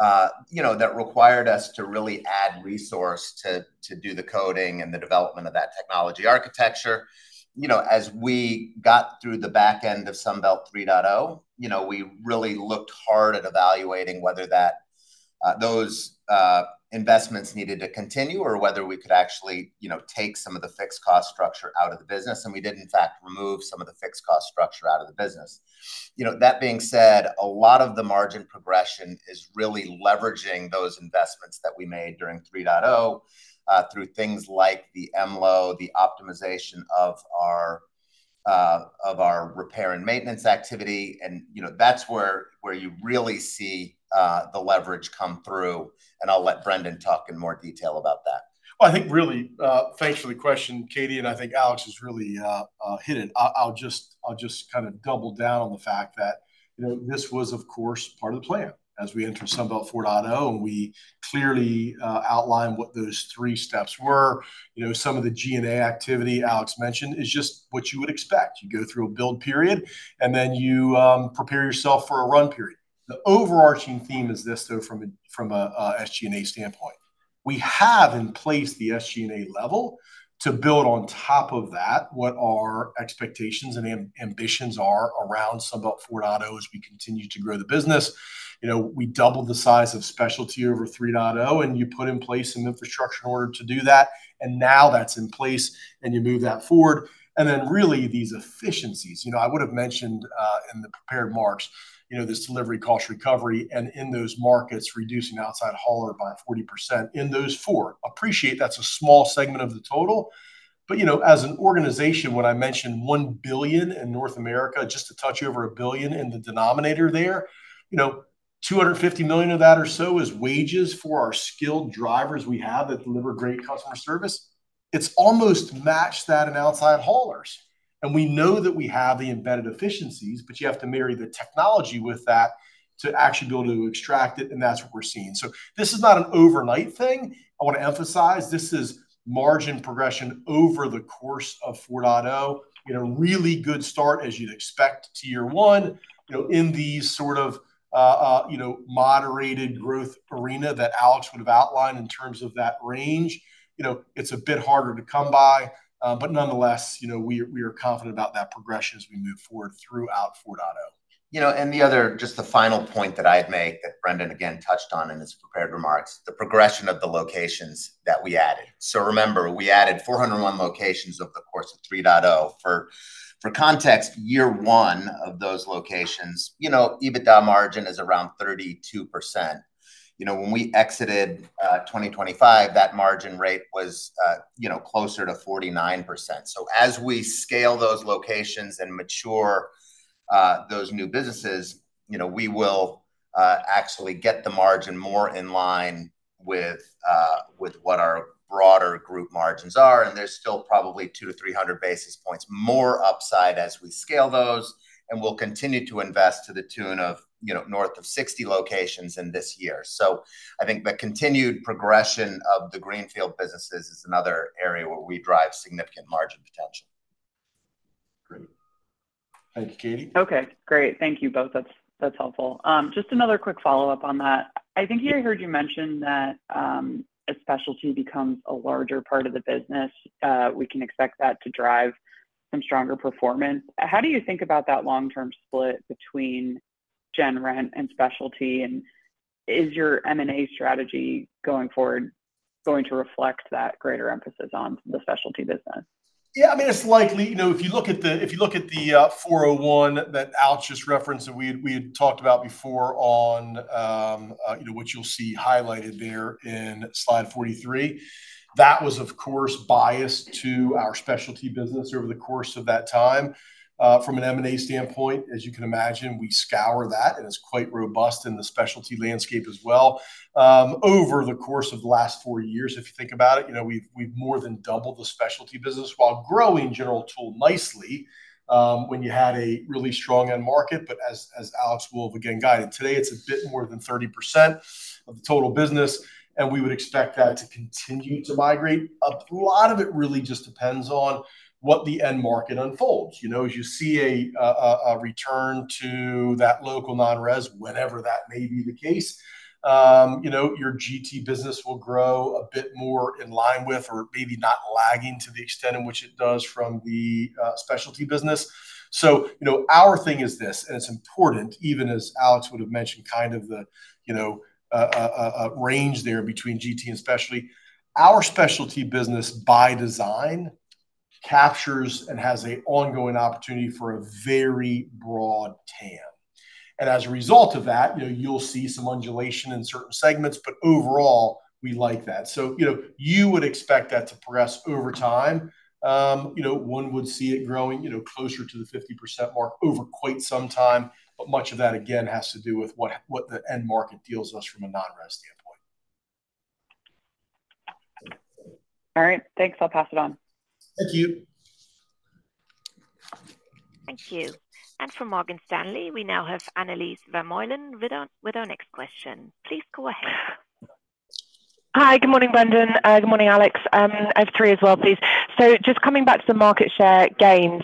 that required us to really add resource to do the coding and the development of that technology architecture. As we got through the back end of Sunbelt 3.0, we really looked hard at evaluating whether those investments needed to continue or whether we could actually take some of the fixed cost structure out of the business. We did, in fact, remove some of the fixed cost structure out of the business. That being said, a lot of the margin progression is really leveraging those investments that we made during 3.0 through things like the MLO, the optimization of our repair and maintenance activity. That is where you really see the leverage come through. I'll let Brendan talk in more detail about that. I think really, thanks for the question, Katie, and I think Alex has really hit it. I'll just kind of double down on the fact that this was, of course, part of the plan as we entered Sunbelt 4.0, and we clearly outlined what those three steps were. Some of the G&A activity Alex mentioned is just what you would expect. You go through a build period, and then you prepare yourself for a run period. The overarching theme is this, though, from an SG&A standpoint. We have in place the SG&A level to build on top of that what our expectations and ambitions are around Sunbelt 4.0 as we continue to grow the business. We doubled the size of specialty over 3.0, and you put in place some infrastructure in order to do that. Now that's in place, and you move that forward. Really, these efficiencies, I would have mentioned in the prepared marks, this delivery cost recovery and in those markets reducing outside hauler by 40% in those four. I appreciate that's a small segment of the total. As an organization, when I mentioned $1 billion in North America, just a touch over a billion in the denominator there, $250 million of that or so is wages for our skilled drivers we have that deliver great customer service. It's almost matched that in outside haulers. We know that we have the embedded efficiencies, but you have to marry the technology with that to actually be able to extract it. That's what we're seeing. This is not an overnight thing. I want to emphasize this is margin progression over the course of 4.0. Really good start, as you'd expect to year one in the sort of moderated growth arena that Alex would have outlined in terms of that range. It's a bit harder to come by. Nonetheless, we are confident about that progression as we move forward throughout 4.0. The other, just the final point that I'd make that Brendan again touched on in his prepared remarks, the progression of the locations that we added. Remember, we added 401 locations over the course of 3.0. For context, year one of those locations, EBITDA margin is around 32%. When we exited 2025, that margin rate was closer to 49%. As we scale those locations and mature those new businesses, we will actually get the margin more in line with what our broader group margins are. There is still probably 200 to 300 basis points more upside as we scale those. We will continue to invest to the tune of north of 60 locations in this year. I think the continued progression of the greenfield businesses is another area where we drive significant margin potential. Great. Thank you, Katie. Okay. Great. Thank you both. That's helpful. Just another quick follow-up on that. I think I heard you mention that as specialty becomes a larger part of the business, we can expect that to drive some stronger performance. How do you think about that long-term split between gen rent and specialty? Is your M&A strategy going forward going to reflect that greater emphasis on the specialty business? Yeah. I mean, it's likely. If you look at the 401 that Alex just referenced and we had talked about before on what you'll see highlighted there in slide 43, that was, of course, biased to our specialty business over the course of that time. From an M&A standpoint, as you can imagine, we scour that, and it's quite robust in the specialty landscape as well. Over the course of the last four years, if you think about it, we've more than doubled the specialty business while growing general tool nicely when you had a really strong end market. As Alex will have again guided, today it's a bit more than 30% of the total business. We would expect that to continue to migrate. A lot of it really just depends on what the end market unfolds. As you see a return to that local non-res, whenever that may be the case, your GT business will grow a bit more in line with or maybe not lagging to the extent in which it does from the specialty business. Our thing is this, and it's important, even as Alex would have mentioned, kind of the range there between GT and specialty. Our specialty business by design captures and has an ongoing opportunity for a very broad TAM. As a result of that, you'll see some undulation in certain segments, but overall, we like that. You would expect that to progress over time. One would see it growing closer to the 50% mark over quite some time. Much of that, again, has to do with what the end market deals us from a non-res standpoint. All right. Thanks. I'll pass it on. Thank you. Thank you. From Morgan Stanley, we now have Annelies Vermeulen with our next question. Please go ahead. Hi. Good morning, Brendan. Good morning, Alex. I have three as well, please. Just coming back to the market share gains,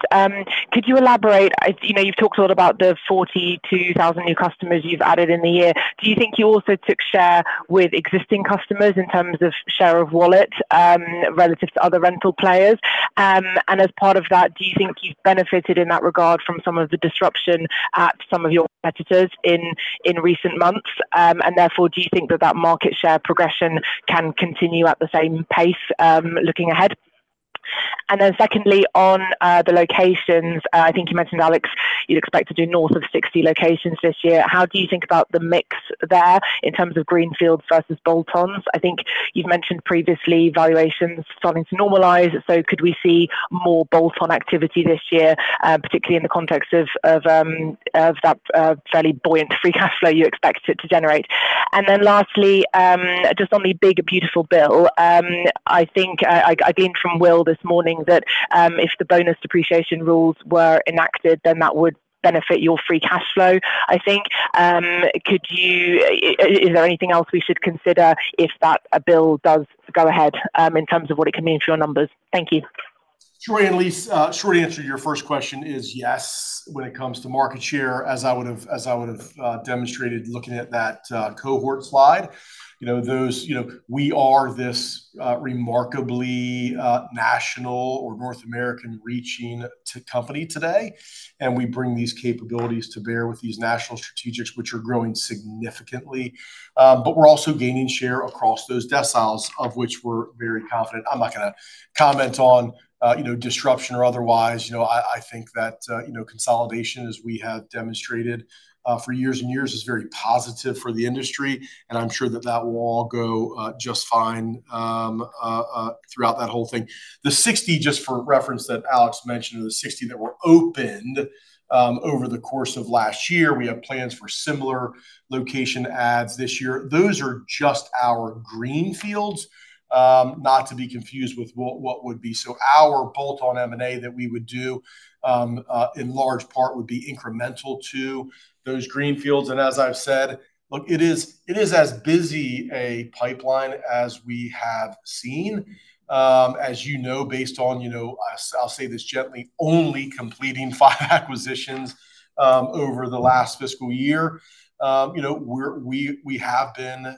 could you elaborate? You've talked a lot about the 42,000 new customers you've added in the year. Do you think you also took share with existing customers in terms of share of wallet relative to other rental players? As part of that, do you think you've benefited in that regard from some of the disruption at some of your competitors in recent months? Therefore, do you think that that market share progression can continue at the same pace looking ahead? Secondly, on the locations, I think you mentioned, Alex, you'd expect to do north of 60 locations this year. How do you think about the mix there in terms of greenfield versus bolt-ons? I think you've mentioned previously valuations starting to normalize. Could we see more bolt-on activity this year, particularly in the context of that fairly buoyant free cash flow you expect it to generate? Lastly, just on the Big Beautiful Bill, I think I gleaned from Will this morning that if the bonus depreciation rules were enacted, then that would benefit your free cash flow, I think. Is there anything else we should consider if that bill does go ahead in terms of what it can mean for your numbers? Thank you. Short answer to your first question is yes when it comes to market share, as I would have demonstrated looking at that cohort slide. We are this remarkably national or North American-reaching company today. We bring these capabilities to bear with these national strategics, which are growing significantly. We are also gaining share across those deciles, of which we are very confident. I am not going to comment on disruption or otherwise. I think that consolidation, as we have demonstrated for years and years, is very positive for the industry. I am sure that will all go just fine throughout that whole thing. The 60, just for reference that Alex mentioned, are the 60 that were opened over the course of last year. We have plans for similar location ads this year. Those are just our greenfields, not to be confused with what would be so our bolt-on M&A that we would do in large part would be incremental to those greenfields. As I've said, look, it is as busy a pipeline as we have seen. As you know, based on, I'll say this gently, only completing five acquisitions over the last fiscal year, we have been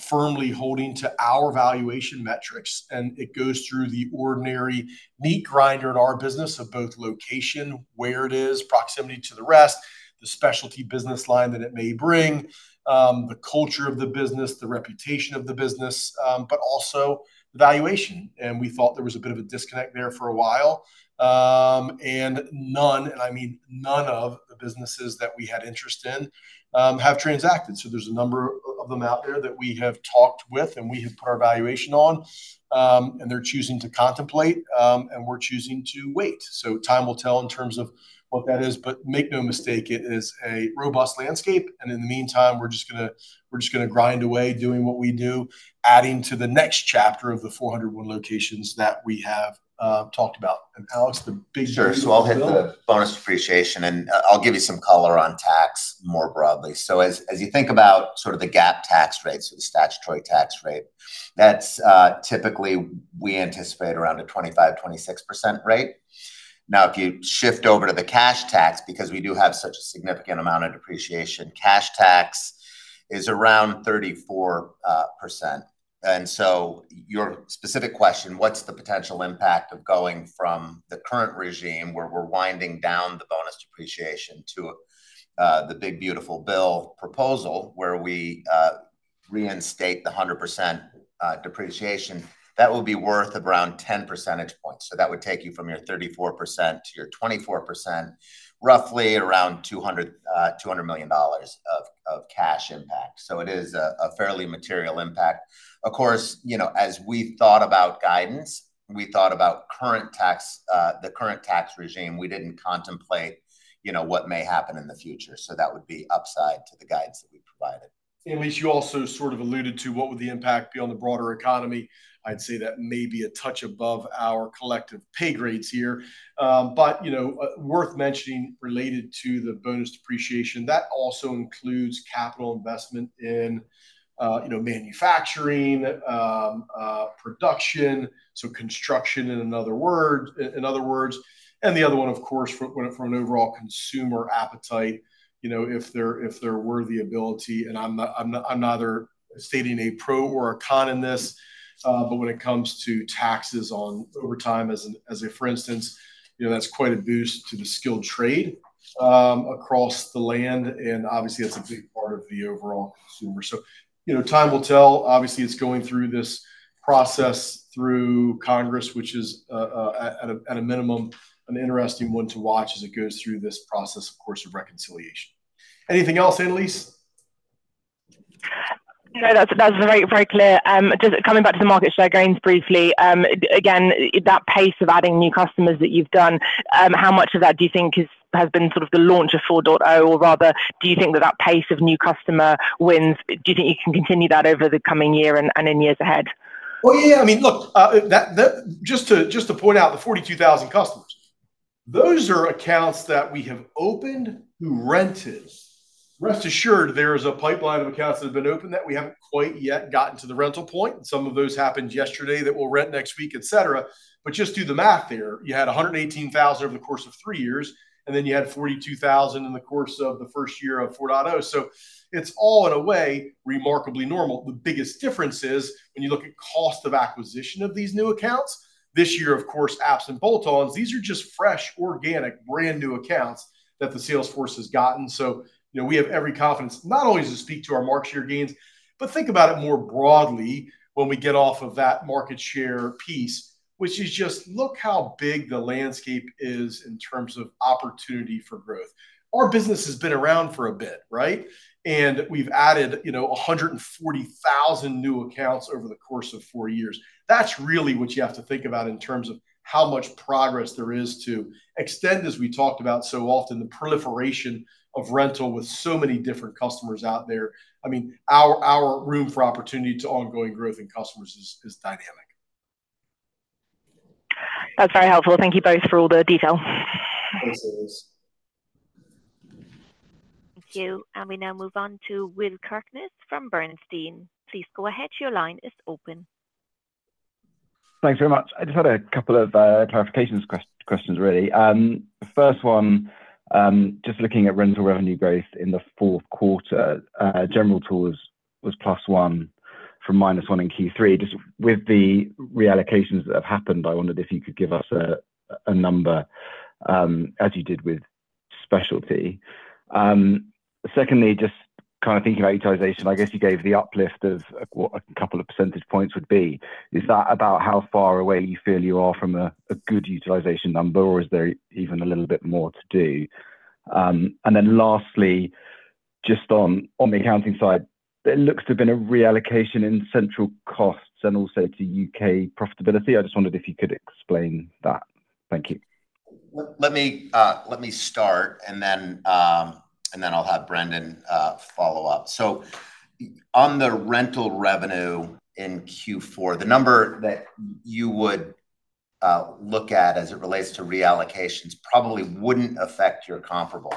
firmly holding to our valuation metrics. It goes through the ordinary meat grinder in our business of both location, where it is, proximity to the rest, the specialty business line that it may bring, the culture of the business, the reputation of the business, but also the valuation. We thought there was a bit of a disconnect there for a while. None, and I mean, none of the businesses that we had interest in have transacted. There is a number of them out there that we have talked with, and we have put our valuation on. They are choosing to contemplate, and we are choosing to wait. Time will tell in terms of what that is. Make no mistake, it is a robust landscape. In the meantime, we are just going to grind away doing what we do, adding to the next chapter of the 401 locations that we have talked about. Alex, the biggest. Sure. I'll hit the bonus depreciation. I'll give you some color on tax more broadly. As you think about sort of the GAAP tax rate, so the statutory tax rate, that's typically we anticipate around a 25%-26% rate. Now, if you shift over to the cash tax, because we do have such a significant amount of depreciation, cash tax is around 34%. Your specific question, what's the potential impact of going from the current regime where we're winding down the bonus depreciation to the Big Beautiful Bill proposal where we reinstate the 100% depreciation, that would be worth around 10 percentage points. That would take you from your 34% to your 24%, roughly around $200 million of cash impact. It is a fairly material impact. Of course, as we thought about guidance, we thought about the current tax regime. We did not contemplate what may happen in the future. That would be upside to the guidance that we provided. Annelise, you also sort of alluded to what would the impact be on the broader economy. I'd say that may be a touch above our collective pay grades here. Worth mentioning related to the bonus depreciation, that also includes capital investment in manufacturing, production, so construction in other words. The other one, of course, from an overall consumer appetite, if there were the ability, and I'm neither stating a pro or a con in this, but when it comes to taxes over time, as a for instance, that's quite a boost to the skilled trade across the land. Obviously, that's a big part of the overall consumer. Time will tell. Obviously, it's going through this process through Congress, which is at a minimum an interesting one to watch as it goes through this process, of course, of reconciliation. Anything else, Annelise? No, that's very clear. Just coming back to the market share gains briefly, again, that pace of adding new customers that you've done, how much of that do you think has been sort of the launch of 4.0? Or rather, do you think that that pace of new customer wins, do you think you can continue that over the coming year and in years ahead? Yeah. I mean, look, just to point out the 42,000 customers, those are accounts that we have opened who rented. Rest assured, there is a pipeline of accounts that have been opened that we have not quite yet gotten to the rental point. Some of those happened yesterday that will rent next week, etc. Just do the math there. You had 118,000 over the course of three years, and then you had 42,000 in the course of the first year of 4.0. It is all in a way remarkably normal. The biggest difference is when you look at cost of acquisition of these new accounts, this year, of course, apps and bolt-ons, these are just fresh, organic, brand new accounts that the Salesforce has gotten. We have every confidence not only to speak to our market share gains, but think about it more broadly when we get off of that market share piece, which is just look how big the landscape is in terms of opportunity for growth. Our business has been around for a bit, right? And we've added 140,000 new accounts over the course of four years. That's really what you have to think about in terms of how much progress there is to extend, as we talked about so often, the proliferation of rental with so many different customers out there. I mean, our room for opportunity to ongoing growth in customers is dynamic. That's very helpful. Thank you both for all the detail. Thanks, Annelise. Thank you. We now move on to Will Kirkness from Bernstein. Please go ahead. Your line is open. Thanks very much. I just had a couple of clarification questions, really. The first one, just looking at rental revenue growth in the fourth quarter, general tools was +1 from -1 in Q3. Just with the reallocations that have happened, I wondered if you could give us a number as you did with specialty. Secondly, just kind of thinking about utilization, I guess you gave the uplift of what a couple of percentage points would be. Is that about how far away you feel you are from a good utilization number, or is there even a little bit more to do? Lastly, just on the accounting side, there looks to have been a reallocation in central costs and also to U.K. profitability. I just wondered if you could explain that. Thank you. Let me start, and then I'll have Brendan follow up. On the rental revenue in Q4, the number that you would look at as it relates to reallocations probably would not affect your comparable.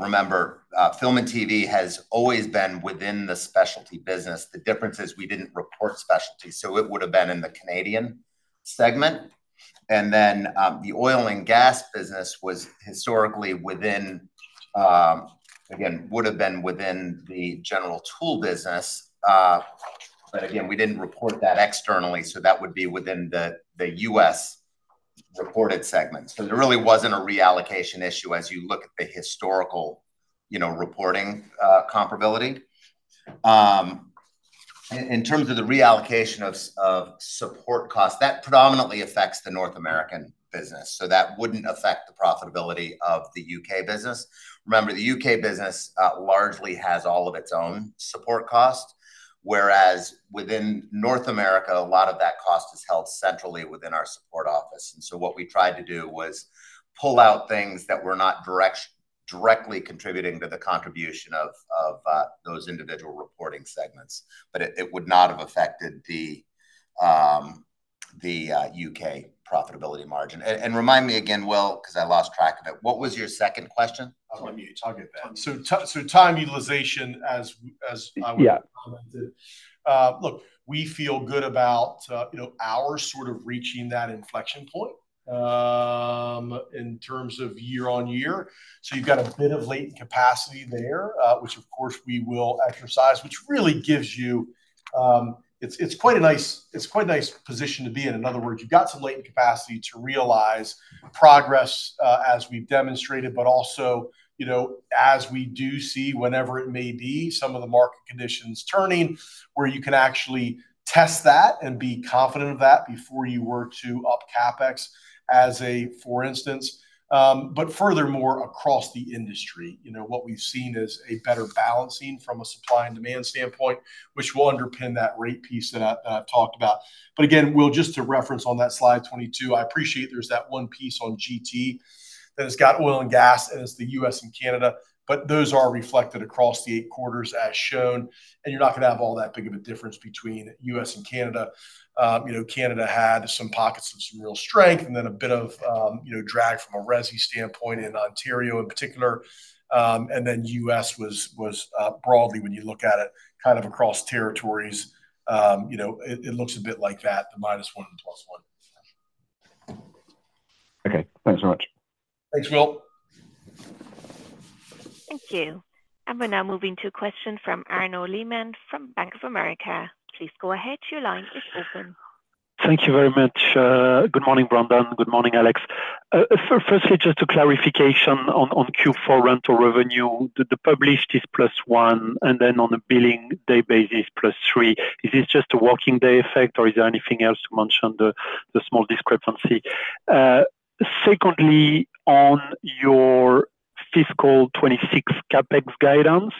Remember, film and TV has always been within the specialty business. The difference is we did not report specialty. It would have been in the Canadian segment. The oil and gas business was historically within, again, would have been within the general tool business. Again, we did not report that externally. That would be within the U.S. reported segment. There really was not a reallocation issue as you look at the historical reporting comparability. In terms of the reallocation of support costs, that predominantly affects the North American business. That would not affect the profitability of the U.K. business. Remember, the U.K. business largely has all of its own support costs, whereas within North America, a lot of that cost is held centrally within our support office. What we tried to do was pull out things that were not directly contributing to the contribution of those individual reporting segments, but it would not have affected the U.K. profitability margin. Remind me again, Will, because I lost track of it. What was your second question? I'll get that. Time utilization, as I would have commented. Look, we feel good about our sort of reaching that inflection point in terms of year on year. You've got a bit of latent capacity there, which, of course, we will exercise, which really gives you, it's quite a nice position to be in. In other words, you've got some latent capacity to realize progress as we've demonstrated, but also as we do see whenever it may be some of the market conditions turning where you can actually test that and be confident of that before you were to up CapEx, as a for instance. Furthermore, across the industry, what we've seen is a better balancing from a supply and demand standpoint, which will underpin that rate piece that I've talked about. Again, Will, just to reference on that slide 22, I appreciate there's that one piece on GT that has got oil and gas, and it's the U.S. and Canada. Those are reflected across the eight quarters as shown. You're not going to have all that big of a difference between U.S. and Canada. Canada had some pockets of some real strength and then a bit of drag from a RESI standpoint in Ontario in particular. U.S. was broadly, when you look at it, kind of across territories. It looks a bit like that, the -1 and the +1. Okay. Thanks so much. Thanks, Will. Thank you. We are now moving to a question from Arnaud Lehmann from Bank of America. Please go ahead. Your line is open. Thank you very much. Good morning, Brendan. Good morning, Alex. Firstly, just a clarification on Q4 rental revenue. The published is plus one, and then on a billing day basis, plus three. Is this just a working day effect, or is there anything else to mention, the small discrepancy? Secondly, on your fiscal 2026 CapEx guidance,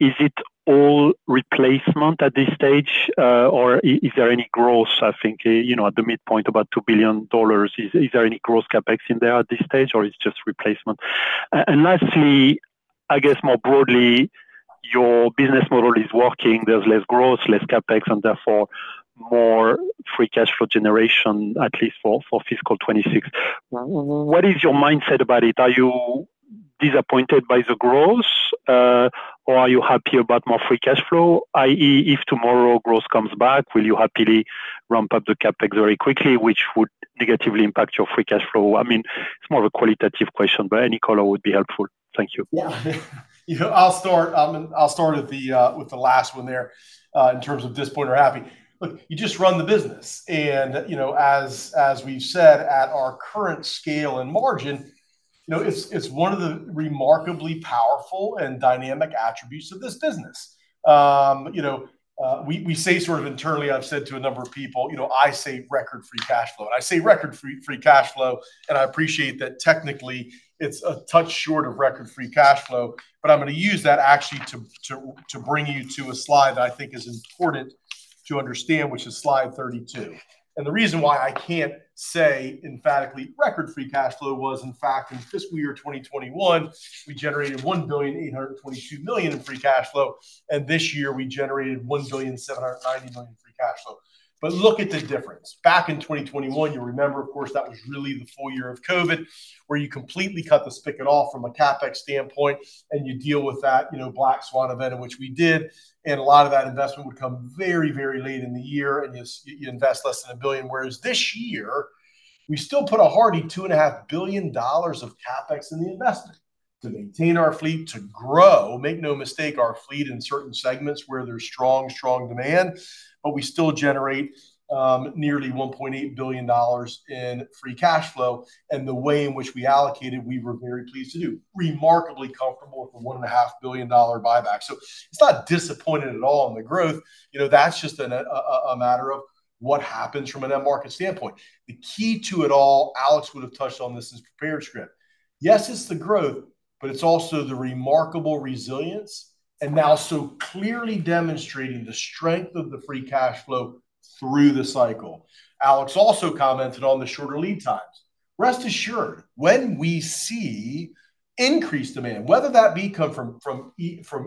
is it all replacement at this stage, or is there any gross? I think at the midpoint, about $2 billion. Is there any gross CapEx in there at this stage, or is it just replacement? Lastly, I guess more broadly, your business model is working. There is less gross, less CapEx, and therefore more free cash flow generation, at least for fiscal 2026. What is your mindset about it? Are you disappointed by the gross, or are you happy about more free cash flow? I.e., if tomorrow gross comes back, will you happily ramp up the CapEx very quickly, which would negatively impact your free cash flow? I mean, it's more of a qualitative question, but any color would be helpful. Thank you. Yeah. I'll start with the last one there in terms of disappointed or happy. Look, you just run the business. As we've said, at our current scale and margin, it's one of the remarkably powerful and dynamic attributes of this business. We say sort of internally, I've said to a number of people, I say record free cash flow. I say record free cash flow, and I appreciate that technically it's a touch short of record free cash flow. I'm going to use that actually to bring you to a slide that I think is important to understand, which is slide 32. The reason why I can't say emphatically record free cash flow was, in fact, in fiscal year 2021, we generated $1,822 million in free cash flow. This year, we generated $1,790 million in free cash flow. Look at the difference. Back in 2021, you remember, of course, that was really the full year of COVID, where you completely cut the spigot off from a CapEx standpoint, and you deal with that black swan event, which we did. A lot of that investment would come very, very late in the year, and you invest less than $1 billion. Whereas this year, we still put a hearty $2.5 billion of CapEx in the investment to maintain our fleet, to grow, make no mistake, our fleet in certain segments where there's strong, strong demand. We still generate nearly $1.8 billion in free cash flow. The way in which we allocated, we were very pleased to do. Remarkably comfortable with a $1.5 billion buyback. It's not disappointed at all in the growth. That's just a matter of what happens from an end market standpoint. The key to it all, Alex would have touched on this in his prepared script. Yes, it's the growth, but it's also the remarkable resilience and now so clearly demonstrating the strength of the free cash flow through the cycle. Alex also commented on the shorter lead times. Rest assured, when we see increased demand, whether that be come from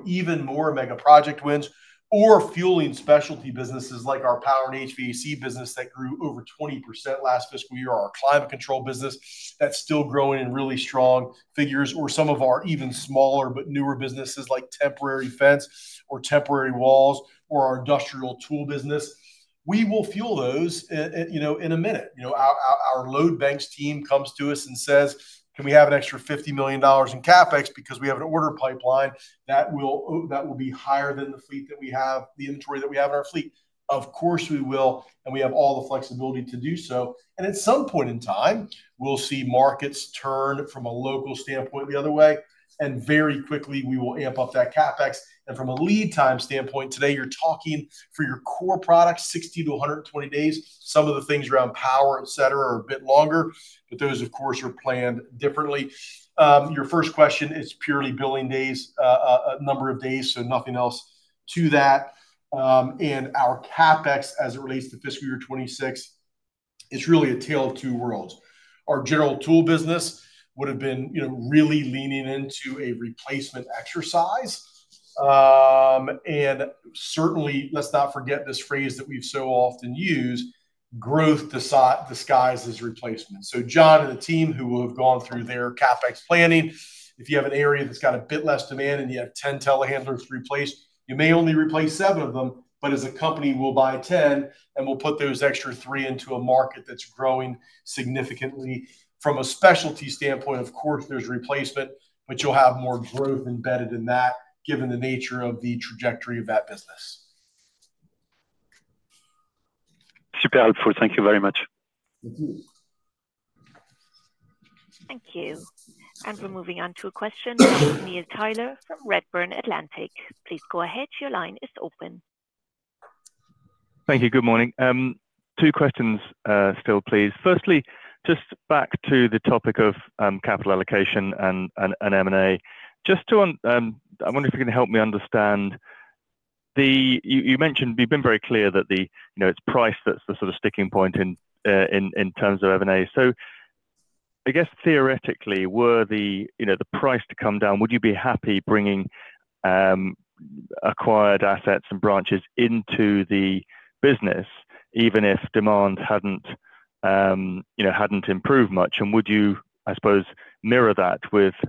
even more mega project wins or fueling specialty businesses like our power and HVAC business that grew over 20% last fiscal year, our climate control business that's still growing in really strong figures, or some of our even smaller but newer businesses like temporary fence or temporary walls or our industrial tool business, we will fuel those in a minute. Our load banks team comes to us and says, "Can we have an extra $50 million in CapEx because we have an order pipeline that will be higher than the fleet that we have, the inventory that we have in our fleet?" Of course, we will, and we have all the flexibility to do so. At some point in time, we'll see markets turn from a local standpoint the other way. Very quickly, we will amp up that CapEx. From a lead time standpoint, today, you're talking for your core products, 60-120 days. Some of the things around power, etc., are a bit longer, but those, of course, are planned differently. Your first question is purely billing days, a number of days, so nothing else to that. Our CapEx as it relates to fiscal year 2026, it's really a tale of two worlds. Our general tool business would have been really leaning into a replacement exercise. Certainly, let's not forget this phrase that we've so often used, "Growth disguises replacement." John and the team who will have gone through their CapEx planning, if you have an area that's got a bit less demand and you have 10 telehandlers to replace, you may only replace seven of them, but as a company, we'll buy 10 and we'll put those extra three into a market that's growing significantly. From a specialty standpoint, of course, there's replacement, but you'll have more growth embedded in that given the nature of the trajectory of that business. Superb. Thank you very much. Thank you. Thank you. We are moving on to a question from Neil Tyler from Redburn Atlantic. Please go ahead. Your line is open. Thank you. Good morning. Two questions still, please. Firstly, just back to the topic of capital allocation and M&A. Just to, I wonder if you can help me understand. You mentioned you've been very clear that it's price that's the sort of sticking point in terms of M&A. I guess theoretically, were the price to come down, would you be happy bringing acquired assets and branches into the business even if demand hadn't improved much? Would you, I suppose, mirror that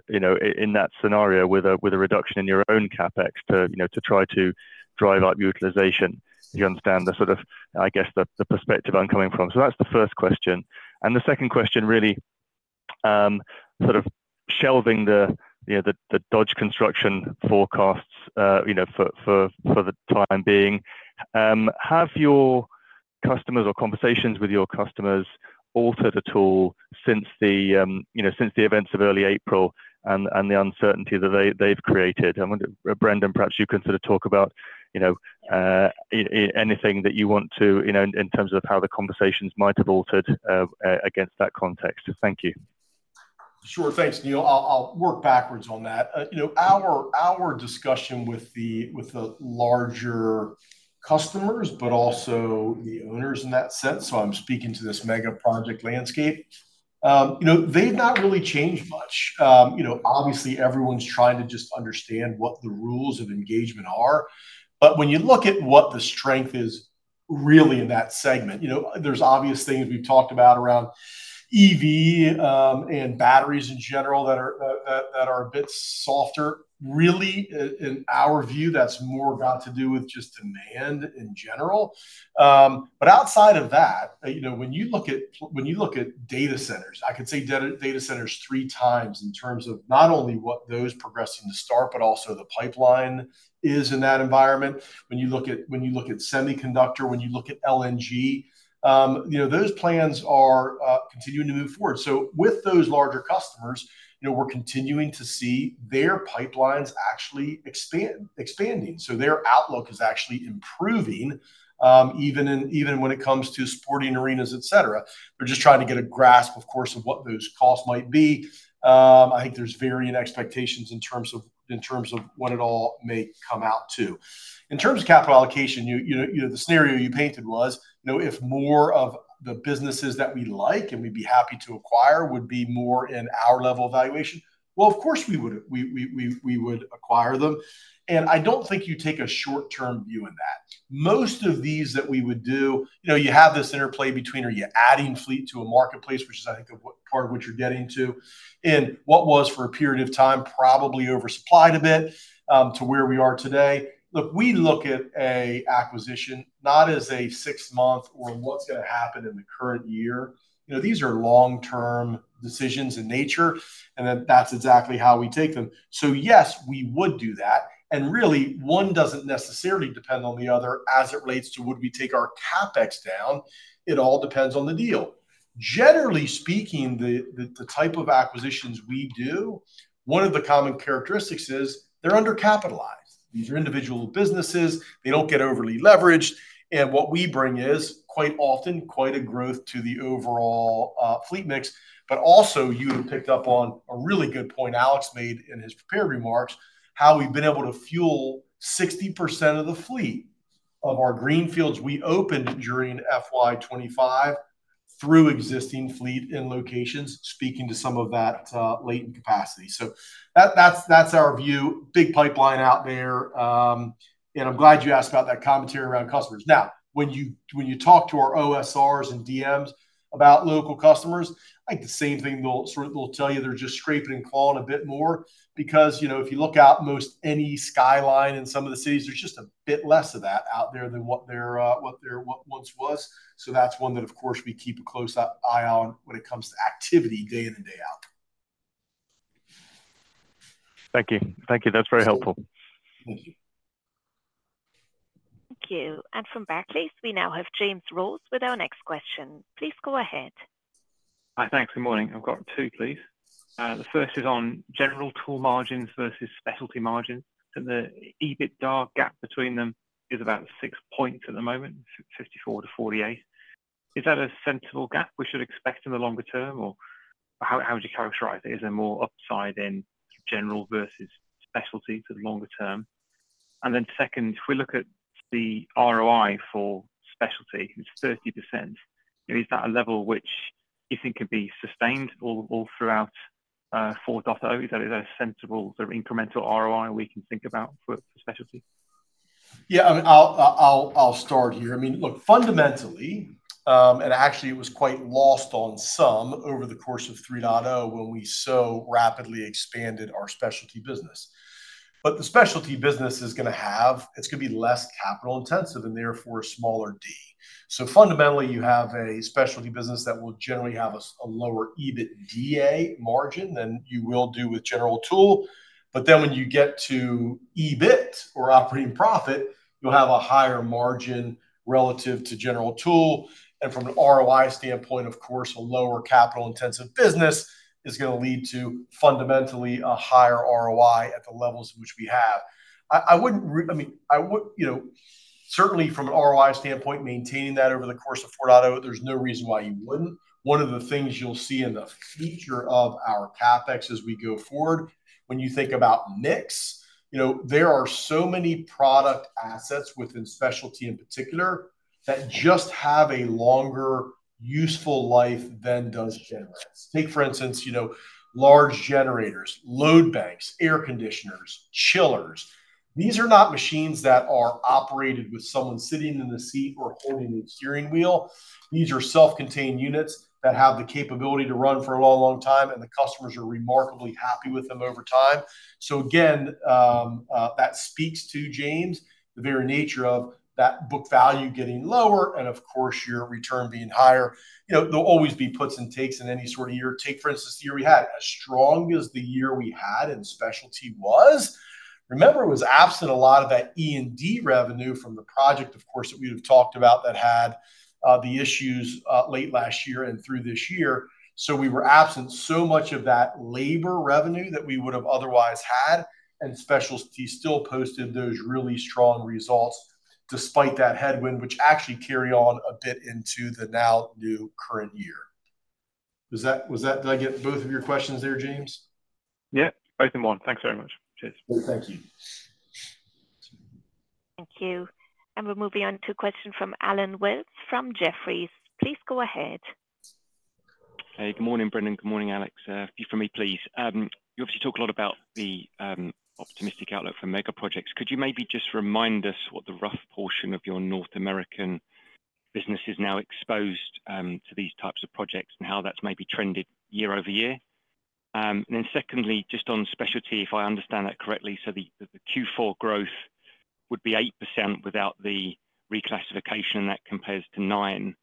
in that scenario with a reduction in your own CapEx to try to drive up utilization? Do you understand the sort of, I guess, the perspective I'm coming from? That's the first question. The second question, really sort of shelving the Dodge construction forecasts for the time being. Have your customers or conversations with your customers altered at all since the events of early April and the uncertainty that they've created? Brendan, perhaps you can sort of talk about anything that you want to in terms of how the conversations might have altered against that context. Thank you. Sure. Thanks, Neil. I'll work backwards on that. Our discussion with the larger customers, but also the owners in that sense, so I'm speaking to this mega project landscape, they've not really changed much. Obviously, everyone's trying to just understand what the rules of engagement are. When you look at what the strength is really in that segment, there are obvious things we've talked about around EV and batteries in general that are a bit softer. Really, in our view, that's more got to do with just demand in general. Outside of that, when you look at data centers, I could say data centers three times in terms of not only what those progressing to start, but also the pipeline is in that environment. When you look at semiconductor, when you look at LNG, those plans are continuing to move forward. With those larger customers, we're continuing to see their pipelines actually expanding. Their outlook is actually improving even when it comes to sporting arenas, etc. They're just trying to get a grasp, of course, of what those costs might be. I think there's varying expectations in terms of what it all may come out to. In terms of capital allocation, the scenario you painted was if more of the businesses that we like and we'd be happy to acquire would be more in our level of valuation, of course, we would acquire them. I don't think you take a short-term view in that. Most of these that we would do, you have this interplay between are you adding fleet to a marketplace, which is, I think, part of what you're getting to. What was for a period of time probably oversupplied a bit to where we are today. Look, we look at an acquisition not as a six-month or what's going to happen in the current year. These are long-term decisions in nature, and that's exactly how we take them. Yes, we would do that. Really, one doesn't necessarily depend on the other as it relates to would we take our CapEx down. It all depends on the deal. Generally speaking, the type of acquisitions we do, one of the common characteristics is they're undercapitalized. These are individual businesses. They don't get overly leveraged. What we bring is quite often quite a growth to the overall fleet mix. You have picked up on a really good point Alex made in his prepared remarks, how we have been able to fuel 60% of the fleet of our greenfields we opened during FY 2025 through existing fleet in locations, speaking to some of that latent capacity. That is our view. Big pipeline out there. I am glad you asked about that commentary around customers. Now, when you talk to our OSRs and DMs about local customers, I think the same thing they will tell you. They are just scraping and clawing a bit more because if you look out most any skyline in some of the cities, there is just a bit less of that out there than what there once was. That is one that, of course, we keep a close eye on when it comes to activity day in and day out. Thank you. Thank you. That's very helpful. Thank you. Thank you. From Barclays, we now have James Rose with our next question. Please go ahead. Hi. Thanks. Good morning. I've got two, please. The first is on general tool margins versus specialty margins. The EBITDA gap between them is about six points at the moment, 54% to 48%. Is that a sensible gap we should expect in the longer term, or how would you characterize it? Is there more upside in general versus specialty to the longer term? Then second, if we look at the ROI for specialty, it's 30%. Is that a level which you think could be sustained all throughout 4.0? Is that a sensible sort of incremental ROI we can think about for specialty? Yeah. I'll start here. I mean, look, fundamentally, and actually, it was quite lost on some over the course of 3.0 when we so rapidly expanded our specialty business. The specialty business is going to have, it's going to be less capital intensive and therefore a smaller D. Fundamentally, you have a specialty business that will generally have a lower EBITDA margin than you will do with general tool. When you get to EBIT or operating profit, you'll have a higher margin relative to general tool. From an ROI standpoint, of course, a lower capital-intensive business is going to lead to fundamentally a higher ROI at the levels in which we have. I mean, certainly, from an ROI standpoint, maintaining that over the course of 4.0, there's no reason why you wouldn't. One of the things you'll see in the future of our CapEx as we go forward, when you think about mix, there are so many product assets within specialty in particular that just have a longer useful life than does generators. Take, for instance, large generators, load banks, air conditioners, chillers. These are not machines that are operated with someone sitting in the seat or holding the steering wheel. These are self-contained units that have the capability to run for a long, long time, and the customers are remarkably happy with them over time. Again, that speaks to James, the very nature of that book value getting lower and, of course, your return being higher. There'll always be puts and takes in any sort of year. Take, for instance, the year we had, as strong as the year we had in specialty was. Remember, it was absent a lot of that E&D revenue from the project, of course, that we would have talked about that had the issues late last year and through this year. We were absent so much of that labor revenue that we would have otherwise had. Specialty still posted those really strong results despite that headwind, which actually carried on a bit into the now new current year. Did I get both of your questions there, James? Yeah. Both in one. Thanks very much. Cheers. Thank you. Thank you. We are moving on to a question from Alan Mijes from Jefferies. Please go ahead. Hey. Good morning, Brendan. Good morning, Alex. A few from me, please. You obviously talk a lot about the optimistic outlook for mega projects. Could you maybe just remind us what the rough portion of your North American business is now exposed to these types of projects and how that's maybe trended year over year? Secondly, just on specialty, if I understand that correctly, the Q4 growth would be 8% without the reclassification, and that compares to 9%.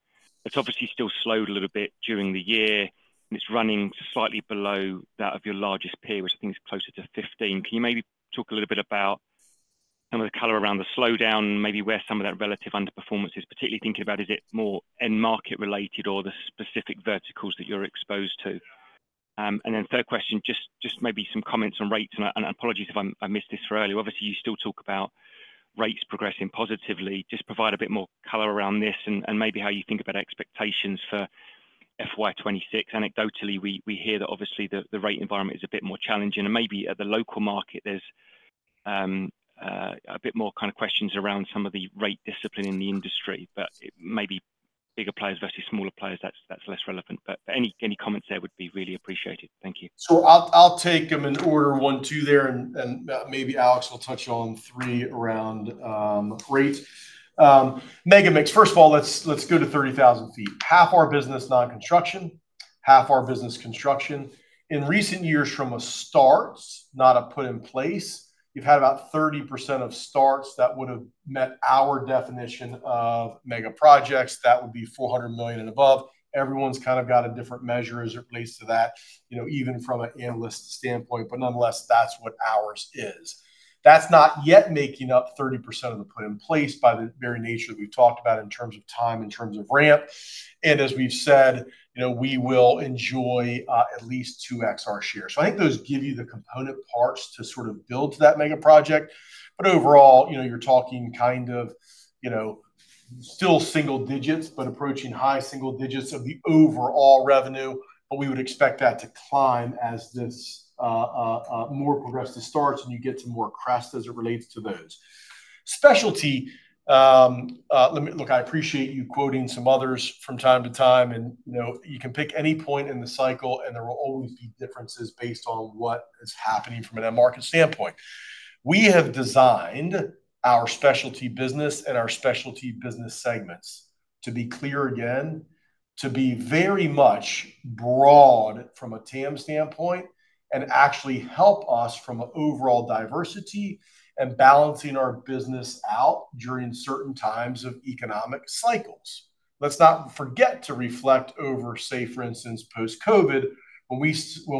It's obviously still slowed a little bit during the year, and it's running slightly below that of your largest peer, which I think is closer to 15%. Can you maybe talk a little bit about some of the color around the slowdown, maybe where some of that relative underperformance is, particularly thinking about, is it more end-market related or the specific verticals that you're exposed to? Third question, just maybe some comments on rates, and apologies if I missed this for early. Obviously, you still talk about rates progressing positively. Just provide a bit more color around this and maybe how you think about expectations for FY 2026. Anecdotally, we hear that obviously the rate environment is a bit more challenging. Maybe at the local market, there's a bit more kind of questions around some of the rate discipline in the industry, but maybe bigger players versus smaller players, that's less relevant. Any comments there would be really appreciated. Thank you. I'll take them in order, one, two there, and maybe Alex will touch on three around rate. Mega mix, first of all, let's go to 30,000 feet. Half our business non-construction, half our business construction. In recent years, from a start, not a put in place, you've had about 30% of starts that would have met our definition of mega projects. That would be $400 million and above. Everyone's kind of got a different measure as it relates to that, even from an analyst standpoint. Nonetheless, that's what ours is. That's not yet making up 30% of the put in place by the very nature that we've talked about in terms of time, in terms of ramp. As we've said, we will enjoy at least 2x our share. I think those give you the component parts to sort of build to that mega project. Overall, you're talking kind of still single digits, but approaching high single digits of the overall revenue. We would expect that to climb as this more progressive starts and you get some more crest as it relates to those. Specialty, look, I appreciate you quoting some others from time to time, and you can pick any point in the cycle, and there will always be differences based on what is happening from an end-market standpoint. We have designed our specialty business and our specialty business segments to be clear again, to be very much broad from a TAM standpoint, and actually help us from an overall diversity and balancing our business out during certain times of economic cycles. Let's not forget to reflect over, say, for instance, post-COVID, when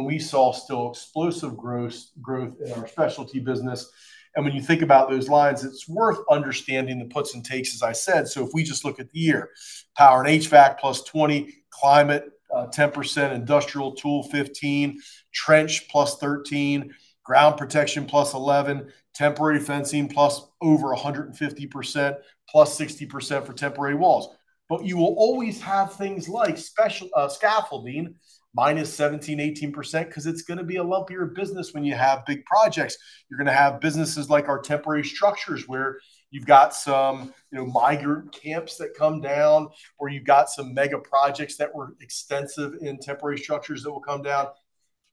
we saw still explosive growth in our specialty business. When you think about those lines, it's worth understanding the puts and takes, as I said. If we just look at the year, power and HVAC +20%, climate +10%, industrial tool +15%, trench +13%, ground protection +11%, temporary fencing over +150%, +60% for temporary walls. You will always have things like scaffolding -17%, -18% because it's going to be a lumpier business when you have big projects. You're going to have businesses like our temporary structures where you've got some migrant camps that come down, or you've got some mega projects that were extensive in temporary structures that will come down.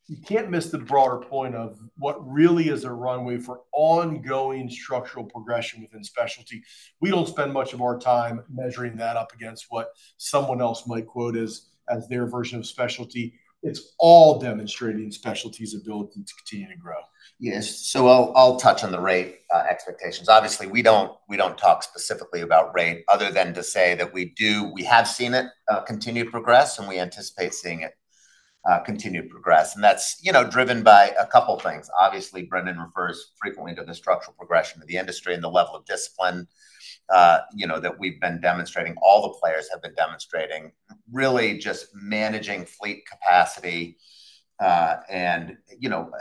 You can't miss the broader point of what really is a runway for ongoing structural progression within specialty. We don't spend much of our time measuring that up against what someone else might quote as their version of specialty. It's all demonstrating specialty's ability to continue to grow. Yes. I'll touch on the rate expectations. Obviously, we don't talk specifically about rate other than to say that we have seen it continue to progress, and we anticipate seeing it continue to progress. That's driven by a couple of things. Obviously, Brendan refers frequently to the structural progression of the industry and the level of discipline that we've been demonstrating, all the players have been demonstrating, really just managing fleet capacity and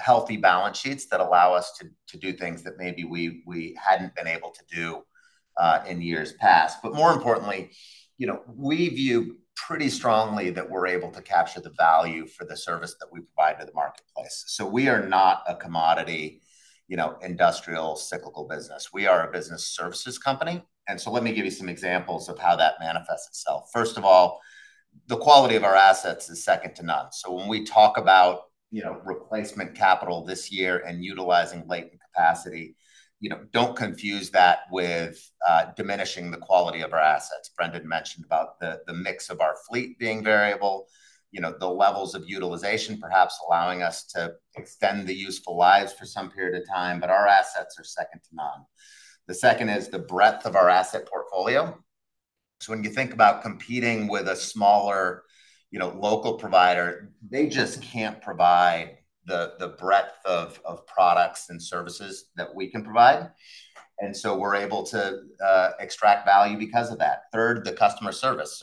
healthy balance sheets that allow us to do things that maybe we hadn't been able to do in years past. More importantly, we view pretty strongly that we're able to capture the value for the service that we provide to the marketplace. We are not a commodity industrial cyclical business. We are a business services company. Let me give you some examples of how that manifests itself. First of all, the quality of our assets is second to none. When we talk about replacement capital this year and utilizing latent capacity, don't confuse that with diminishing the quality of our assets. Brendan mentioned about the mix of our fleet being variable, the levels of utilization perhaps allowing us to extend the useful lives for some period of time, but our assets are second to none. The second is the breadth of our asset portfolio. When you think about competing with a smaller local provider, they just can't provide the breadth of products and services that we can provide. We are able to extract value because of that. Third, the customer service.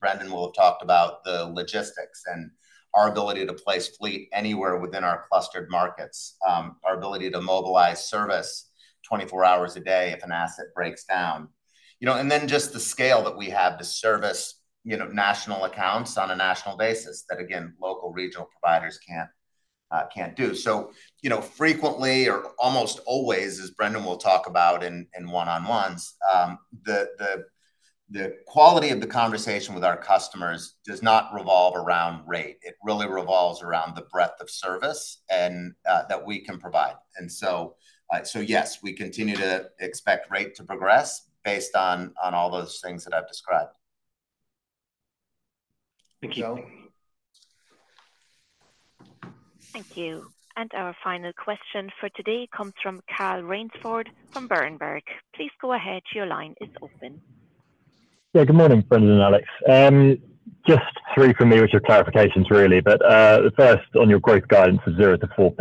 Brendan will have talked about the logistics and our ability to place fleet anywhere within our clustered markets, our ability to mobilize service 24 hours a day if an asset breaks down. The scale that we have to service national accounts on a national basis that, again, local, regional providers cannot do. Frequently or almost always, as Brendan will talk about in one-on-ones, the quality of the conversation with our customers does not revolve around rate. It really revolves around the breadth of service that we can provide. Yes, we continue to expect rate to progress based on all those things that I have described. Thank you. Thank you. Our final question for today comes from Carl Raynsford from Berenberg. Please go ahead. Your line is open. Yeah. Good morning, Brendan and Alex. Just three from me with your clarifications, really. The first, on your growth guidance of 0-4%.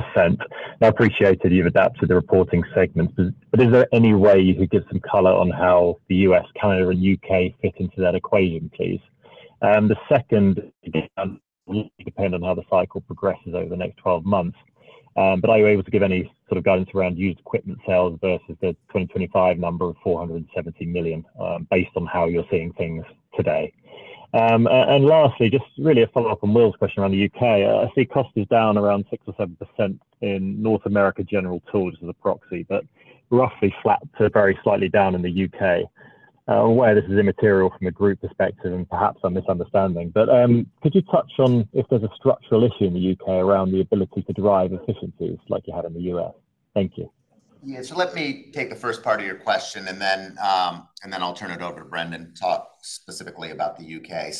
I appreciate that you've adapted the reporting segments. Is there any way you could give some color on how the U.S., Canada, and U.K. fit into that equation, please? The second, it depends on how the cycle progresses over the next 12 months. Are you able to give any sort of guidance around used equipment sales versus the 2025 number of $470 million based on how you're seeing things today? Lastly, just really a follow-up on Will's question around the U.K. I see cost is down around 6-7% in North America general tools as a proxy, but roughly flat to very slightly down in the U.K. I'm aware this is immaterial from a group perspective and perhaps a misunderstanding. Could you touch on if there's a structural issue in the U.K. around the ability to derive efficiencies like you had in the U.S.? Thank you. Yeah. Let me take the first part of your question, and then I'll turn it over to Brendan to talk specifically about the U.K.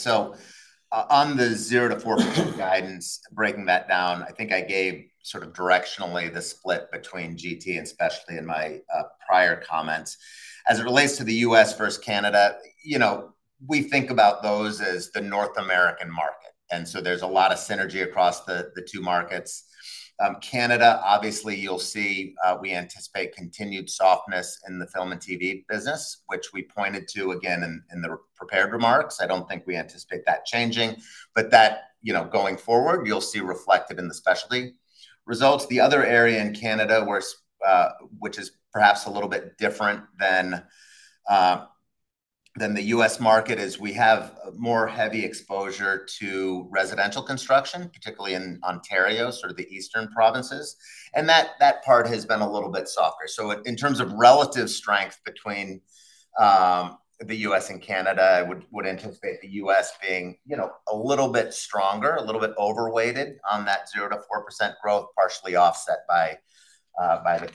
On the 0-4% guidance, breaking that down, I think I gave sort of directionally the split between GT and specialty in my prior comments. As it relates to the U.S. versus Canada, we think about those as the North American market. There is a lot of synergy across the two markets. Canada, obviously, you'll see we anticipate continued softness in the film and TV business, which we pointed to again in the prepared remarks. I do not think we anticipate that changing. That going forward, you'll see reflected in the specialty results. The other area in Canada, which is perhaps a little bit different than the U.S. market, is we have more heavy exposure to residential construction, particularly in Ontario, sort of the eastern provinces. That part has been a little bit softer. In terms of relative strength between the U.S. and Canada, I would anticipate the U.S. being a little bit stronger, a little bit overweighted on that 0-4% growth, partially offset by the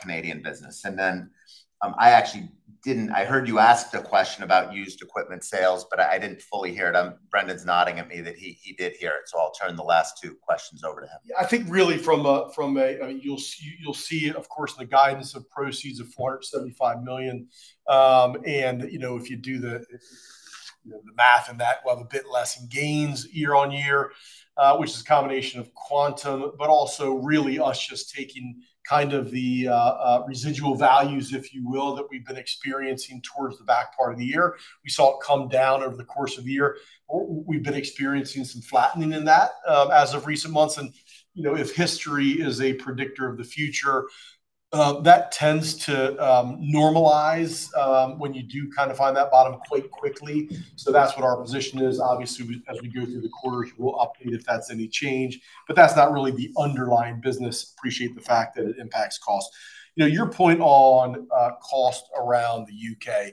Canadian business. I actually did not—I heard you ask the question about used equipment sales, but I did not fully hear it. Brendan is nodding at me that he did hear it. I will turn the last two questions over to him. Yeah. I think really from a—I mean, you'll see, of course, the guidance of proceeds of $475 million. If you do the math, that will have a bit less in gains year on year, which is a combination of quantum, but also really us just taking kind of the residual values, if you will, that we've been experiencing towards the back part of the year. We saw it come down over the course of the year. We've been experiencing some flattening in that as of recent months. If history is a predictor of the future, that tends to normalize when you do kind of find that bottom quite quickly. That is what our position is. Obviously, as we go through the quarters, we'll update if that's any change. That is not really the underlying business. Appreciate the fact that it impacts cost. Your point on cost around the U.K.,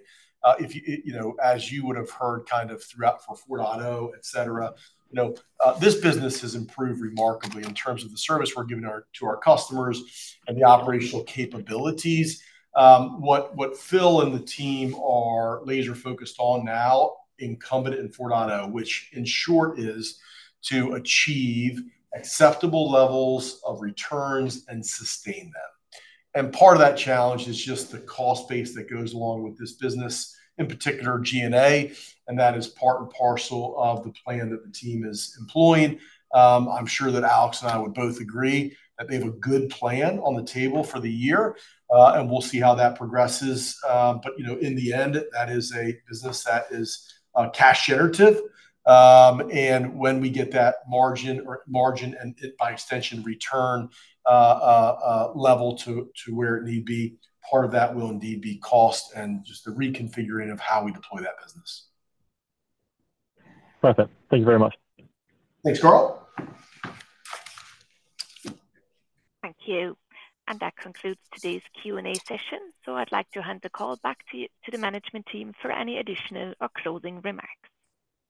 as you would have heard kind of throughout for 4.0, etc., this business has improved remarkably in terms of the service we're giving to our customers and the operational capabilities. What Phil and the team are laser-focused on now, incumbent in 4.0, which in short is to achieve acceptable levels of returns and sustain them. Part of that challenge is just the cost base that goes along with this business, in particular, G&A. That is part and parcel of the plan that the team is employing. I'm sure that Alex and I would both agree that they have a good plan on the table for the year, and we'll see how that progresses. In the end, that is a business that is cash-generative. When we get that margin and by extension, return level to where it need be, part of that will indeed be cost and just the reconfiguring of how we deploy that business. Perfect. Thank you very much. Thanks, Carl. Thank you. That concludes today's Q&A session. I would like to hand the call back to the management team for any additional or closing remarks.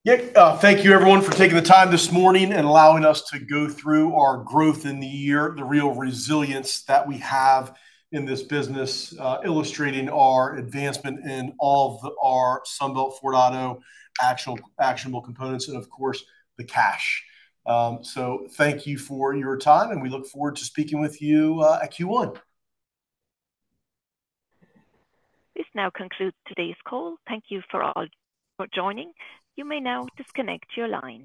Yeah. Thank you, everyone, for taking the time this morning and allowing us to go through our growth in the year, the real resilience that we have in this business, illustrating our advancement in all of our Sunbelt 4.0 actionable components, and of course, the cash. Thank you for your time, and we look forward to speaking with you at Q1. This now concludes today's call. Thank you for joining. You may now disconnect your line.